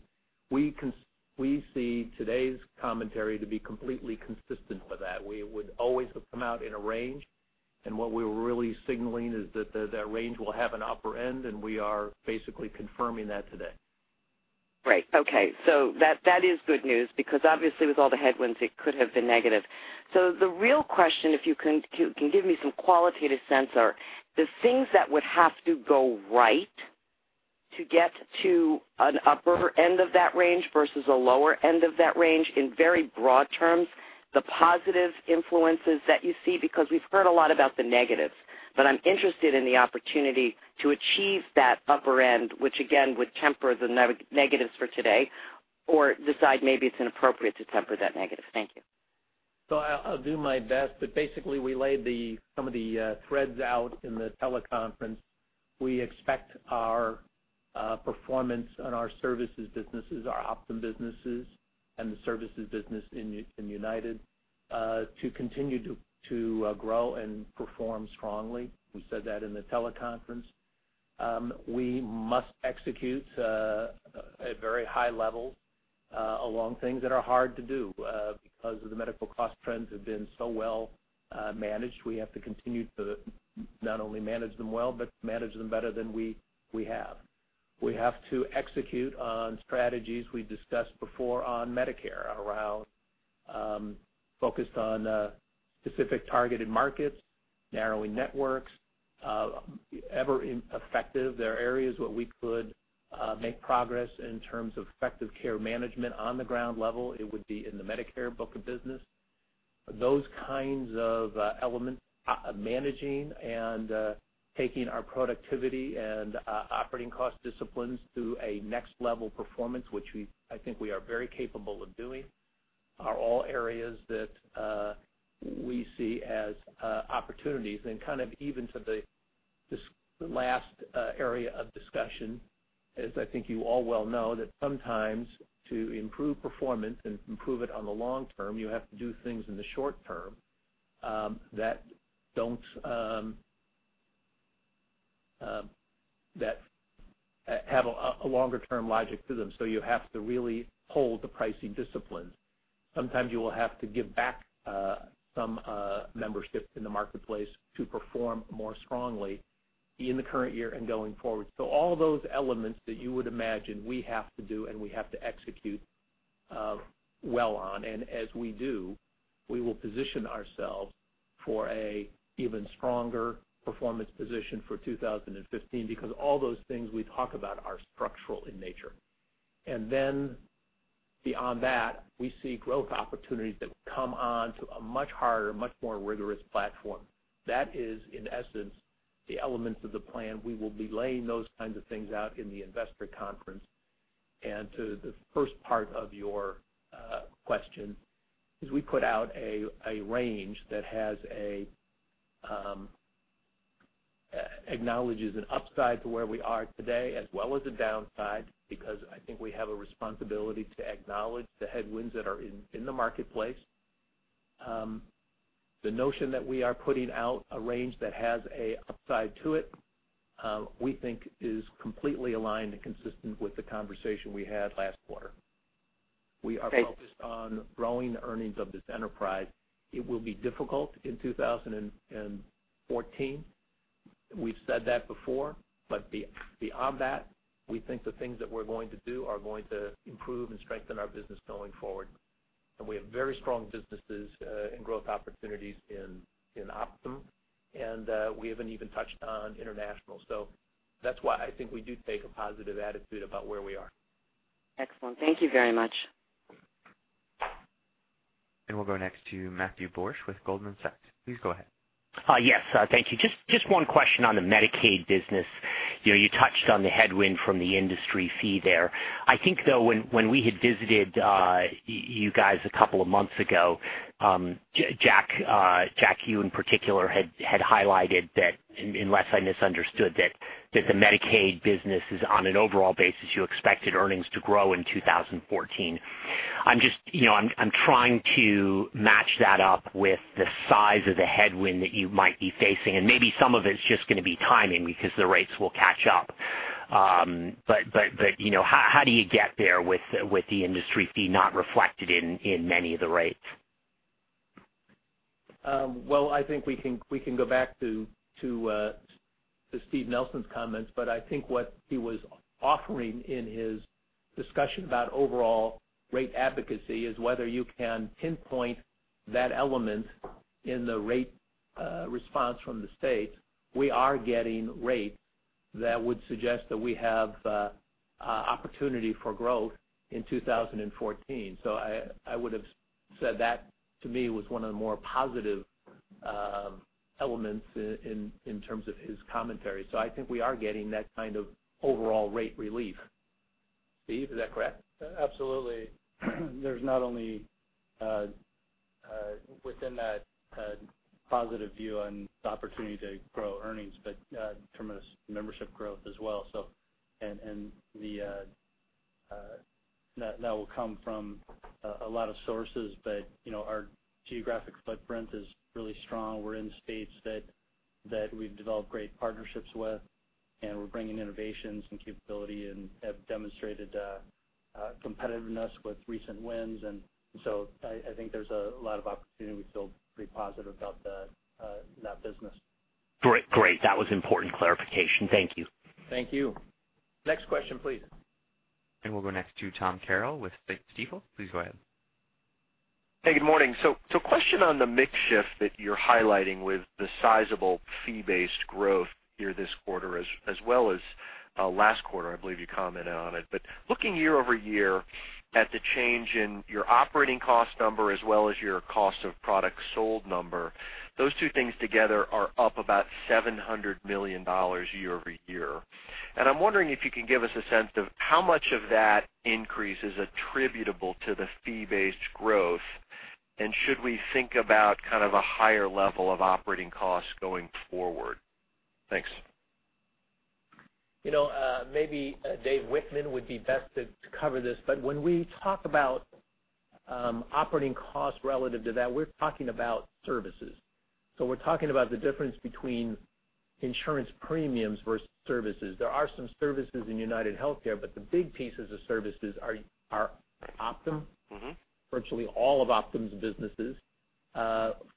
we see today's commentary to be completely consistent with that. We would always have come out in a range, what we were really signaling is that range will have an upper end, we are basically confirming that today. That's exactly right. I don't know how many questions you'll have, but that one, if go back to our commentary, and we do pay attention to what we said in the prior teleconferences, we see today's commentary to be completely consistent with that. We would always have come out in a range, and what we were really signaling is that range will have an upper end, and we are basically confirming that today. Right. Okay. That is good news because obviously with all the headwinds, it could have been negative. The real question, if you can give me some qualitative sense, are the things that would have to go right to get to an upper end of that range versus a lower end of that range, in very broad terms, the positive influences that you see, because we've heard a lot about the negatives. I'm interested in the opportunity to achieve that upper end, which again, would temper the negatives for today, or decide maybe it's inappropriate to temper that negative. Thank you. I'll do my best. Basically, we laid some of the threads out in the teleconference. We expect our performance on our services businesses, our Optum businesses, and the services business in UnitedHealthcare, to continue to grow and perform strongly. We said that in the teleconference. We must execute at very high levels along things that are hard to do because of the medical cost trends have been so well managed. We have to continue to not only manage them well, but manage them better than we have. We have to execute on strategies we discussed before on Medicare, around focused on specific targeted markets, narrowing networks, ever in effective. There are areas where we could make progress in terms of effective care management on the ground level. It would be in the Medicare book of business. Those kinds of elements, managing and taking our productivity and operating cost disciplines to a next-level performance, which I think we are very capable of doing, are all areas that we see as opportunities. Even to this last area of discussion, as I think you all well know, that sometimes to improve performance and improve it on the long term, you have to do things in the short term that have a longer-term logic to them. You have to really hold the pricing discipline. Sometimes you will have to give back some membership in the marketplace to perform more strongly in the current year and going forward. All those elements that you would imagine we have to do and we have to execute well on. As we do, we will position ourselves for an even stronger performance position for 2015 because all those things we talk about are structural in nature. Beyond that, we see growth opportunities that come on to a much harder, much more rigorous platform. That is, in essence, the elements of the plan. We will be laying those kinds of things out in the investor conference. To the first part of your question is we put out a range that acknowledges an upside to where we are today, as well as a downside, because I think we have a responsibility to acknowledge the headwinds that are in the marketplace. The notion that we are putting out a range that has an upside to it, we think is completely aligned and consistent with the conversation we had last quarter. Great. We are focused on growing the earnings of this enterprise. It will be difficult in 2014. We've said that before. Beyond that, we think the things that we're going to do are going to improve and strengthen our business going forward. We have very strong businesses and growth opportunities in Optum, we haven't even touched on international. That's why I think we do take a positive attitude about where we are. Excellent. Thank you very much. We'll go next to Matthew Borsch with Goldman Sachs. Please go ahead. Yes. Thank you. Just one question on the Medicaid business. You touched on the headwind from the insurer fee there. I think, though, when we had visited you guys a couple of months ago, Jack, you in particular had highlighted that, unless I misunderstood, that the Medicaid business is on an overall basis, you expected earnings to grow in 2014. I'm trying to match that up with the size of the headwind that you might be facing, maybe some of it's just going to be timing because the rates will catch up. How do you get there with the insurer fee not reflected in many of the rates? Well, I think we can go back to Steven Nelson's comments, but I think what he was offering in his discussion about overall rate advocacy is whether you can pinpoint that element in the rate response from the states. We are getting rates that would suggest that we have opportunity for growth in 2014. I would've said that to me was one of the more positive elements in terms of his commentary. I think we are getting that kind of overall rate relief. Steven, is that correct? Absolutely. There's not only within that positive view on the opportunity to grow earnings, but in terms of membership growth as well. That will come from a lot of sources, but our geographic footprint is really strong. We're in states that we've developed great partnerships with, and we're bringing innovations and capability and have demonstrated competitiveness with recent wins. I think there's a lot of opportunity, and we feel pretty positive about that business. Great. That was important clarification. Thank you. Thank you. Next question, please. We'll go next to Thomas Carroll with Stifel. Please go ahead. Hey, good morning. Question on the mix shift that you're highlighting with the sizable fee-based growth here this quarter as well as last quarter, I believe you commented on it. Looking year-over-year at the change in your operating cost number as well as your cost of product sold number, those two things together are up about $700 million year-over-year. I'm wondering if you can give us a sense of how much of that increase is attributable to the fee-based growth, should we think about kind of a higher level of operating costs going forward? Thanks. Maybe David Wichmann would be best to cover this, when we talk about operating costs relative to that, we're talking about services. We're talking about the difference between insurance premiums versus services. There are some services in UnitedHealthcare, the big pieces of services are Optum. Virtually all of Optum's businesses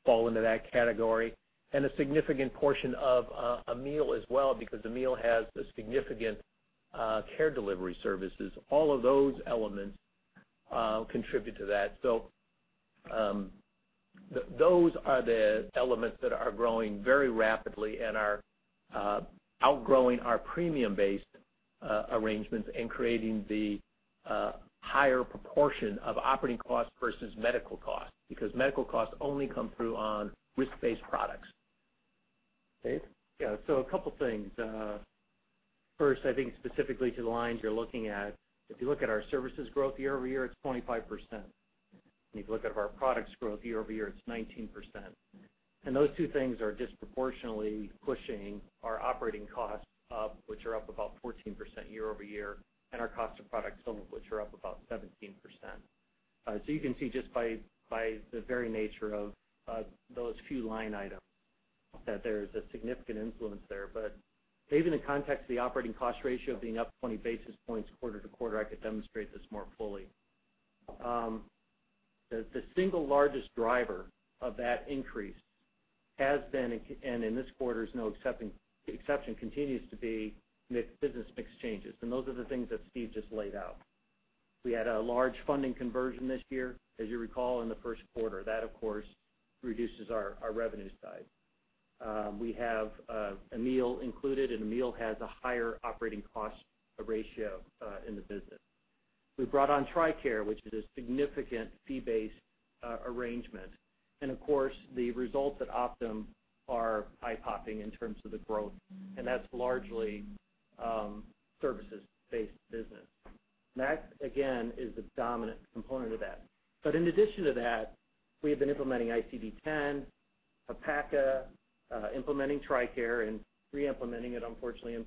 fall into that category. A significant portion of Amil as well, because Amil has a significant care delivery services. All of those elements contribute to that. Those are the elements that are growing very rapidly and are outgrowing our premium-based arrangements and creating the higher proportion of operating costs versus medical costs, because medical costs only come through on risk-based products. Dave? Yeah. A couple things. First, I think specifically to the lines you're looking at, if you look at our services growth year-over-year, it's 25%. If you look at our products growth year-over-year, it's 19%. Those two things are disproportionately pushing our operating costs up, which are up about 14% year-over-year, and our cost of products sold, which are up about 17%. You can see just by the very nature of those few line items that there's a significant influence there. Dave, in the context of the operating cost ratio being up 20 basis points quarter-to-quarter, I could demonstrate this more fully. The single largest driver of that increase has been, and in this quarter is no exception, continues to be business mix changes. Those are the things that Steve just laid out. We had a large funding conversion this year, as you recall, in the first quarter. That, of course, reduces our revenue side. We have Amil included, and Amil has a higher operating cost ratio in the business. We brought on TRICARE, which is a significant fee-based arrangement. Of course, the results at Optum are eye-popping in terms of the growth, and that's largely services-based business. That, again, is the dominant component of that. In addition to that, we have been implementing ICD-10, ACA, implementing TRICARE and re-implementing it unfortunately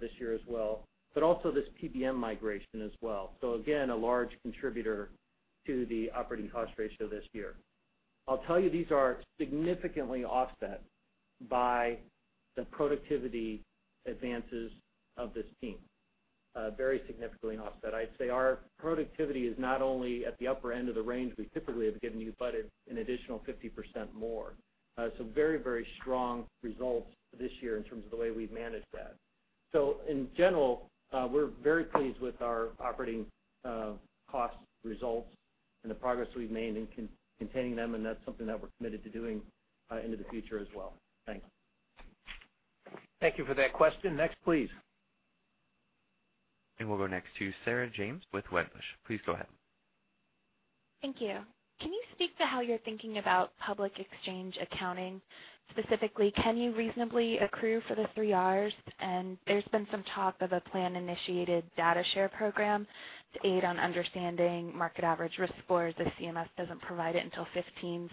this year as well, but also this PBM migration as well. Again, a large contributor to the operating cost ratio this year. I'll tell you, these are significantly offset by the productivity advances of this team. Very significantly offset. I'd say our productivity is not only at the upper end of the range we typically have given you, but an additional 50% more. Very strong results this year in terms of the way we've managed that. In general, we're very pleased with our operating cost results and the progress we've made in containing them, and that's something that we're committed to doing into the future as well. Thanks. Thank you for that question. Next, please. We'll go next to Sarah James with Wedbush. Please go ahead. Thank you. Can you speak to how you're thinking about public exchange accounting? Specifically, can you reasonably accrue for the three Rs? There's been some talk of a plan-initiated data share program to aid on understanding market average risk scores if CMS doesn't provide it until 2015.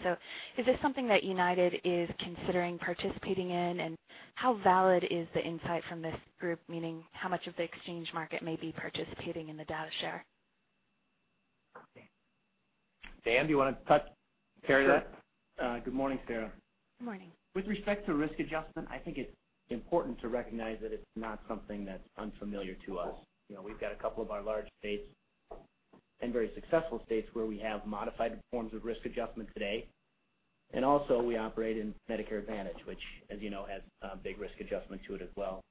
Is this something that United is considering participating in? How valid is the insight from this group? Meaning, how much of the exchange market may be participating in the data share? Dan, do you want to touch carry that? Sure. Good morning, Sarah. Good morning. With respect to risk adjustment, I think it's important to recognize that it's not something that's unfamiliar to us. We've got a couple of our large states and very successful states where we have modified forms of risk adjustment today. Also we operate in Medicare Advantage, which as you know, has a big risk adjustment to it as well.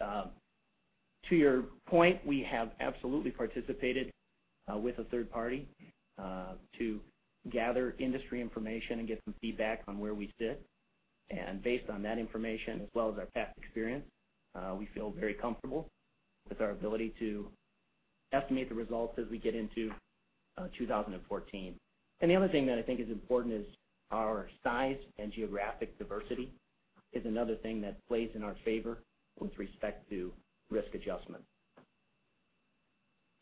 To your point, we have absolutely participated with a third party to gather industry information and get some feedback on where we sit. Based on that information as well as our past experience, we feel very comfortable with our ability to estimate the results as we get into 2014. The other thing that I think is important is our size and geographic diversity is another thing that plays in our favor with respect to risk adjustment.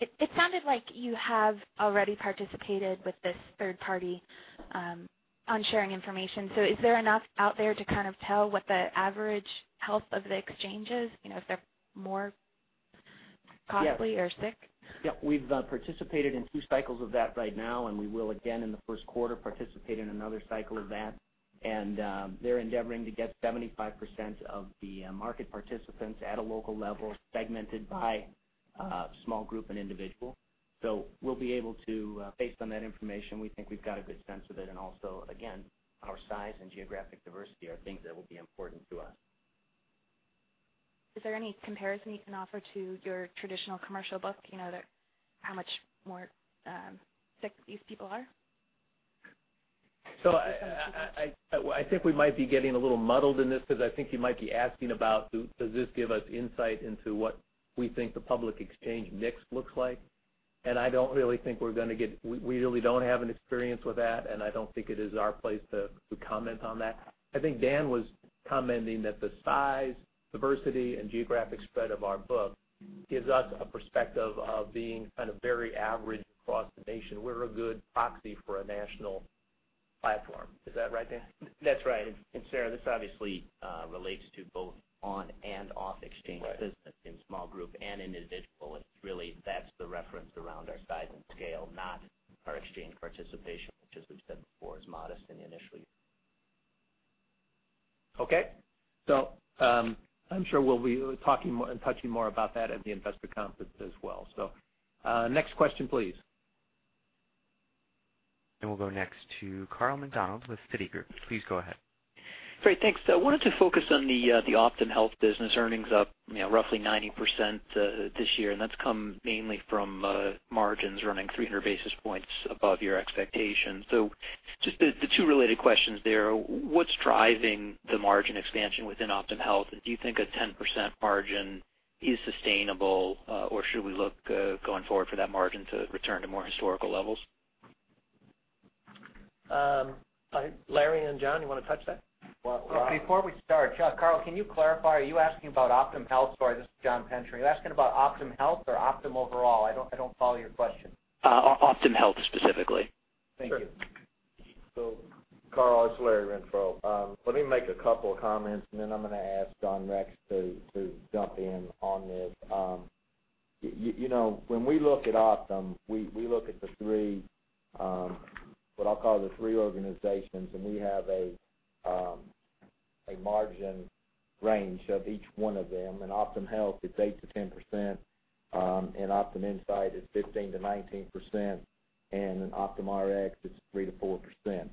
It sounded like you have already participated with this third party on sharing information. Is there enough out there to tell what the average health of the exchange is? If they're more costly or sick? Yes. We've participated in two cycles of that right now, and we will again in the first quarter participate in another cycle of that. They're endeavoring to get 75% of the market participants at a local level segmented by small group and individual. We'll be able to, based on that information, we think we've got a good sense of it, and also, again, our size and geographic diversity are things that will be important to us. Is there any comparison you can offer to your traditional commercial book? How much more sick these people are? I think we might be getting a little muddled in this because I think you might be asking about does this give us insight into what we think the public exchange mix looks like? I don't really think we're going to get. We really don't have an experience with that, and I don't think it is our place to comment on that. I think Dan was commenting that the size, diversity, and geographic spread of our book gives us a perspective of being very average across the nation. We're a good proxy for a national platform. Is that right, Dan? That's right. Sarah, this obviously relates to both on and off exchange business in small group and individual. It's really that's the reference around our size and scale, not our exchange participation, which as we've said before, is modest and initial. Okay. I'm sure we'll be talking more and touching more about that at the investor conference as well. Next question, please. We'll go next to Carl McDonald with Citigroup. Please go ahead. Great. Thanks. I wanted to focus on the Optum Health business earnings up roughly 90% this year, and that's come mainly from margins running 300 basis points above your expectations. Just the two related questions there, what's driving the margin expansion within Optum Health, and do you think a 10% margin is sustainable? Should we look going forward for that margin to return to more historical levels? Larry and John, you want to touch that? Well- Before we start, Carl, can you clarify, are you asking about Optum Health? Sorry, this is John Pencher. Are you asking about Optum Health or Optum overall? I don't follow your question. Optum Health specifically. Thank you. Sure. Carl, it's Larry Renfro. Let me make a couple of comments, and then I'm going to ask John Rex to jump in on this. When we look at Optum, we look at what I'll call the three organizations, and we have a margin range of each one of them. In Optum Health, it's 8%-10%, in Optum Insight, it's 15%-19%, and in Optum Rx, it's 3%-4%.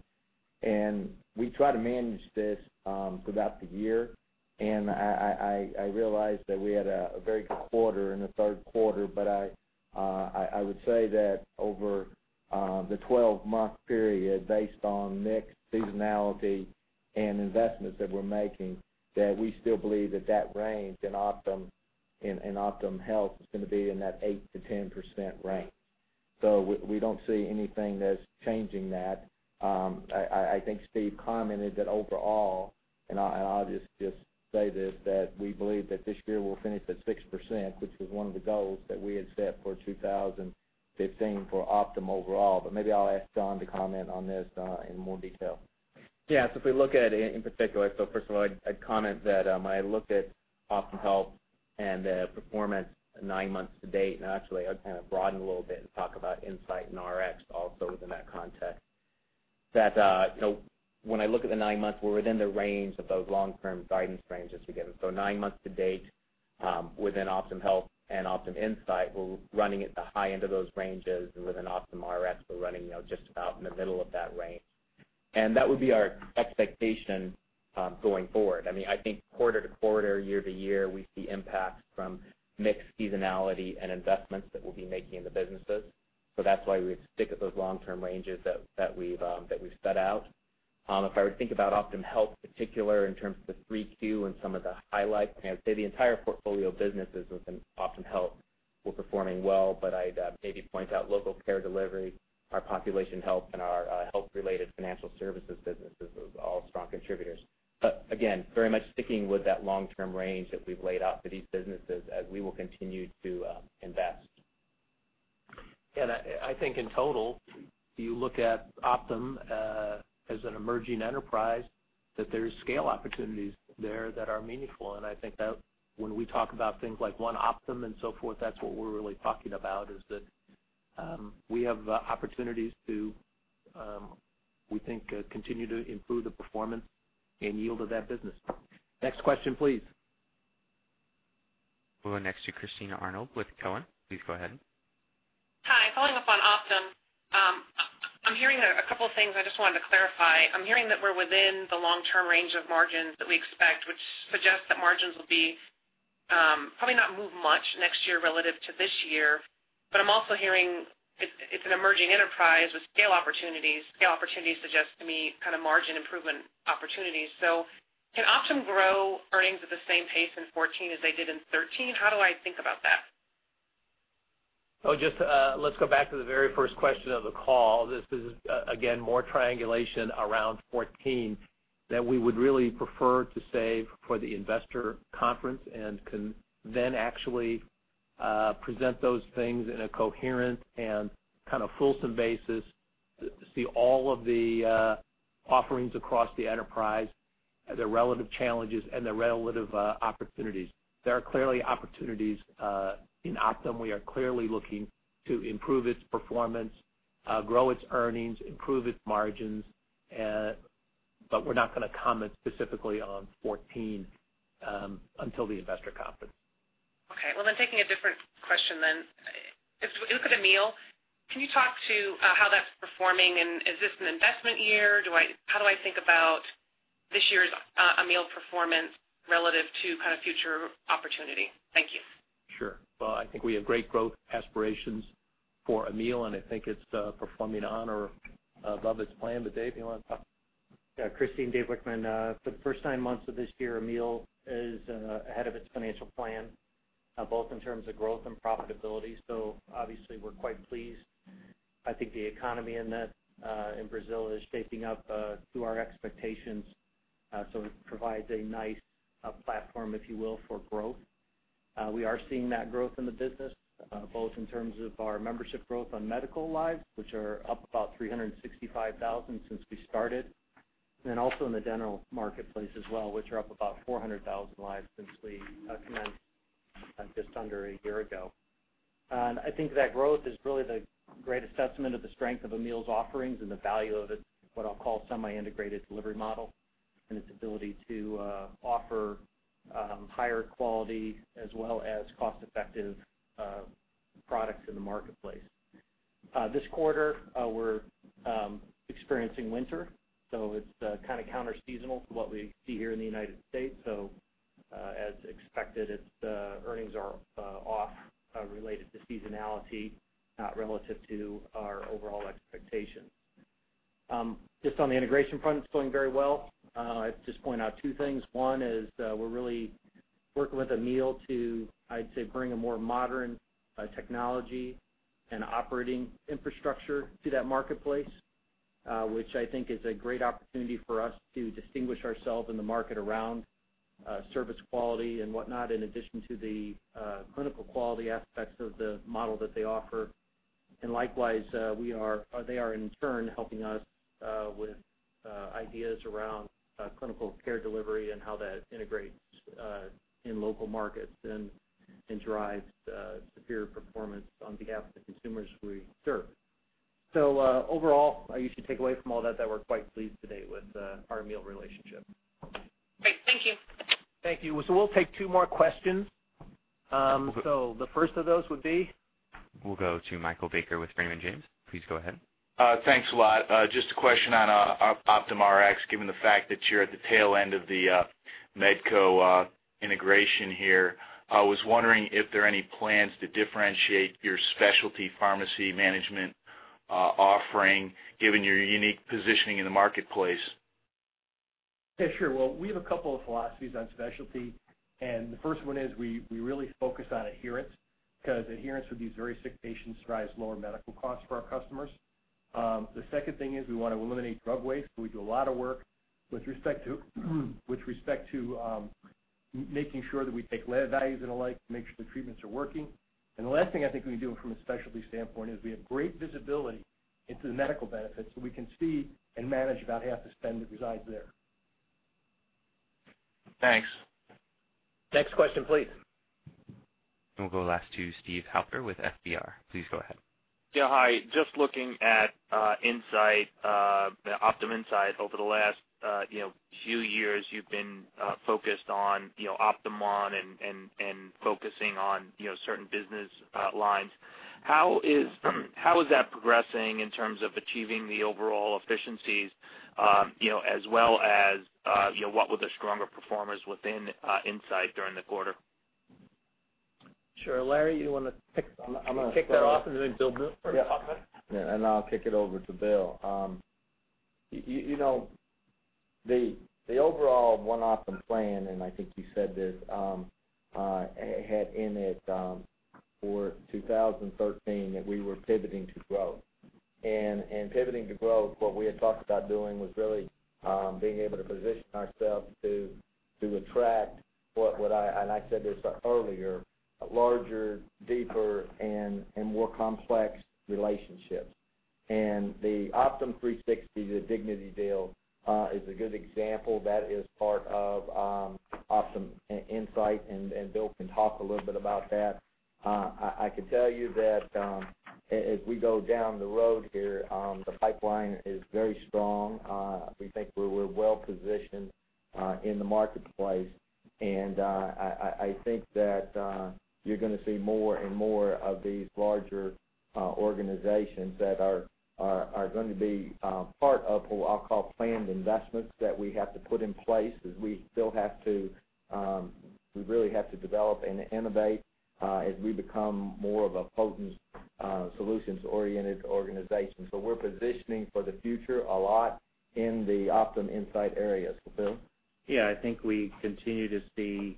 We try to manage this throughout the year, and I realize that we had a very good quarter in the third quarter, but I would say that over the 12-month period, based on mix, seasonality, and investments that we're making, that we still believe that range in Optum Health is going to be in that 8%-10% range. We don't see anything that's changing that. I think Steve commented that overall, I'll just say this, that we believe that this year we'll finish at 6%, which was one of the goals that we had set for 2015 for Optum overall. Maybe I'll ask Jon to comment on this in more detail. If we look at it in particular, first of all, I'd comment that I looked at Optum Health and the performance nine months to date, actually I'd broaden a little bit and talk about Insight and Rx also within that context. When I look at the nine months, we're within the range of those long-term guidance ranges again. Nine months to date within Optum Health and Optum Insight, we're running at the high end of those ranges. Within Optum Rx, we're running just about in the middle of that range. That would be our expectation going forward. I think quarter-to-quarter, year-to-year, we see impacts from mix seasonality and investments that we'll be making in the businesses. That's why we stick with those long-term ranges that we've set out. If I were to think about Optum Health particular in terms of the 3Q and some of the highlights, I'd say the entire portfolio of businesses within Optum Health were performing well. I'd maybe point out local care delivery, our population health, and our health-related financial services businesses was all strong contributors. Again, very much sticking with that long-term range that we've laid out for these businesses as we will continue to invest. I think in total, you look at Optum as an emerging enterprise There's scale opportunities there that are meaningful. I think that when we talk about things like One Optum and so forth, that's what we're really talking about, is that we have opportunities to, we think, continue to improve the performance and yield of that business. Next question, please. We'll go next to Christine Arnold with Cowen. Please go ahead. Hi. Following up on Optum. I'm hearing a couple of things I just wanted to clarify. I'm hearing that we're within the long-term range of margins that we expect, which suggests that margins will probably not move much next year relative to this year. I'm also hearing it's an emerging enterprise with scale opportunities. Scale opportunities suggest to me margin improvement opportunities. Can Optum grow earnings at the same pace in 2014 as they did in 2013? How do I think about that? Just let's go back to the very first question of the call. This is, again, more triangulation around 2014 that we would really prefer to save for the investor conference and can then actually present those things in a coherent and fulsome basis to see all of the offerings across the enterprise, their relative challenges, and their relative opportunities. There are clearly opportunities in Optum. We are clearly looking to improve its performance, grow its earnings, improve its margins, but we're not going to comment specifically on 2014 until the investor conference. Okay. Well, taking a different question then. If we look at Amil, can you talk to how that's performing, and is this an investment year? How do I think about this year's Amil performance relative to future opportunity? Thank you. Sure. Well, I think we have great growth aspirations for Amil, and I think it's performing on or above its plan. Dave, you want to talk? Yeah, Christine, Dave Wichmann. For the first nine months of this year, Amil is ahead of its financial plan, both in terms of growth and profitability. Obviously, we're quite pleased. I think the economy in Brazil is shaping up to our expectations. It provides a nice platform, if you will, for growth. We are seeing that growth in the business, both in terms of our membership growth on medical lives, which are up about 365,000 since we started, also in the dental marketplace as well, which are up about 400,000 lives since we commenced just under a year ago. I think that growth is really the greatest testament of the strength of Amil's offerings and the value of its, what I'll call, semi-integrated delivery model and its ability to offer higher quality as well as cost-effective products in the marketplace. This quarter, we're experiencing winter, it's counter-seasonal to what we see here in the U.S. As expected, its earnings are off related to seasonality, not relative to our overall expectations. Just on the integration front, it's going very well. I'd just point out two things. One is we're really working with Amil to, I'd say, bring a more modern technology and operating infrastructure to that marketplace, which I think is a great opportunity for us to distinguish ourselves in the market around service quality and whatnot, in addition to the clinical quality aspects of the model that they offer. Likewise, they are in turn helping us with ideas around clinical care delivery and how that integrates in local markets and drives superior performance on behalf of the consumers we serve. Overall, I guess you take away from all that we're quite pleased to date with our Amil relationship. Great. Thank you. Thank you. We'll take two more questions. The first of those would be? We'll go to Michael Baker with Raymond James. Please go ahead. Thanks a lot. Just a question on Optum Rx, given the fact that you're at the tail end of the Medco integration here. I was wondering if there are any plans to differentiate your specialty pharmacy management offering, given your unique positioning in the marketplace. Yeah, sure. Well, we have two philosophies on specialty. The first one is we really focus on adherence, because adherence with these very sick patients drives lower medical costs for our customers. The second thing is we want to eliminate drug waste. We do a lot of work with respect to making sure that we take lab values and the like to make sure the treatments are working. The last thing I think we do from a specialty standpoint is we have great visibility into the medical benefits, so we can see and manage about half the spend that resides there. Thanks. Next question, please. We'll go last to Steven Halper with FBR. Please go ahead. Yeah. Hi. Just looking at Insight, Optum Insight over the last few years, you've been focused on OptumOne and focusing on certain business lines. How is that progressing in terms of achieving the overall efficiencies, as well as what were the stronger performers within Insight during the quarter? Sure. Larry, you want to kick? I'm going to kick that off and then Bill can talk about it. Yeah. I'll kick it over to Bill. The overall One Optum plan, and I think you said this, had in it for 2013 that we were pivoting to growth. Pivoting to growth, what we had talked about doing was really being able to position ourselves to attract what I, and I said this earlier, larger, deeper, and more complex relationships. The Optum360, the Dignity deal, is a good example. That is part of Optum Insight, and Bill can talk a little bit about that. I can tell you that as we go down the road here, the pipeline is very strong. We think we're well-positioned in the marketplace, and I think that you're going to see more and more of these larger organizations that are going to be part of what I'll call planned investments that we have to put in place, as we really have to develop and innovate as we become more of a potent solutions-oriented organization. We're positioning for the future a lot in the Optum Insight areas. Bill? Yeah, I think we continue to see,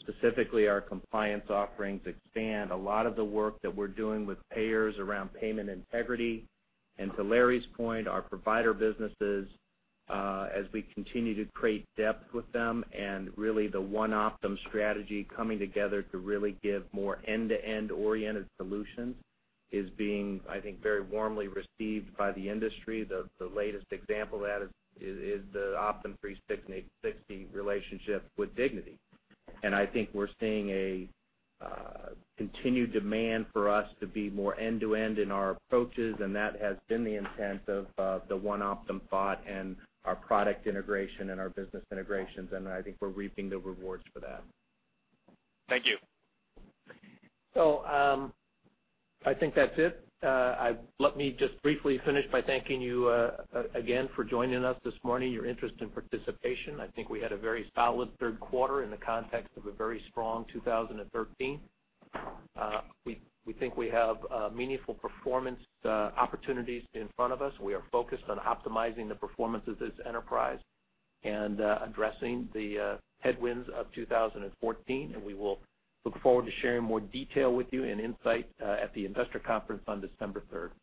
specifically our compliance offerings expand a lot of the work that we're doing with payers around payment integrity. To Larry's point, our provider businesses, as we continue to create depth with them and really the One Optum strategy coming together to really give more end-to-end oriented solutions, is being, I think, very warmly received by the industry. The latest example of that is the Optum360 relationship with Dignity. I think we're seeing a continued demand for us to be more end to end in our approaches, and that has been the intent of the One Optum thought and our product integration and our business integrations, and I think we're reaping the rewards for that. Thank you. I think that's it. Let me just briefly finish by thanking you again for joining us this morning, your interest and participation. I think we had a very solid third quarter in the context of a very strong 2013. We think we have meaningful performance opportunities in front of us. We are focused on optimizing the performance of this enterprise and addressing the headwinds of 2014, and we will look forward to sharing more detail with you and insight at the investor conference on December 3rd.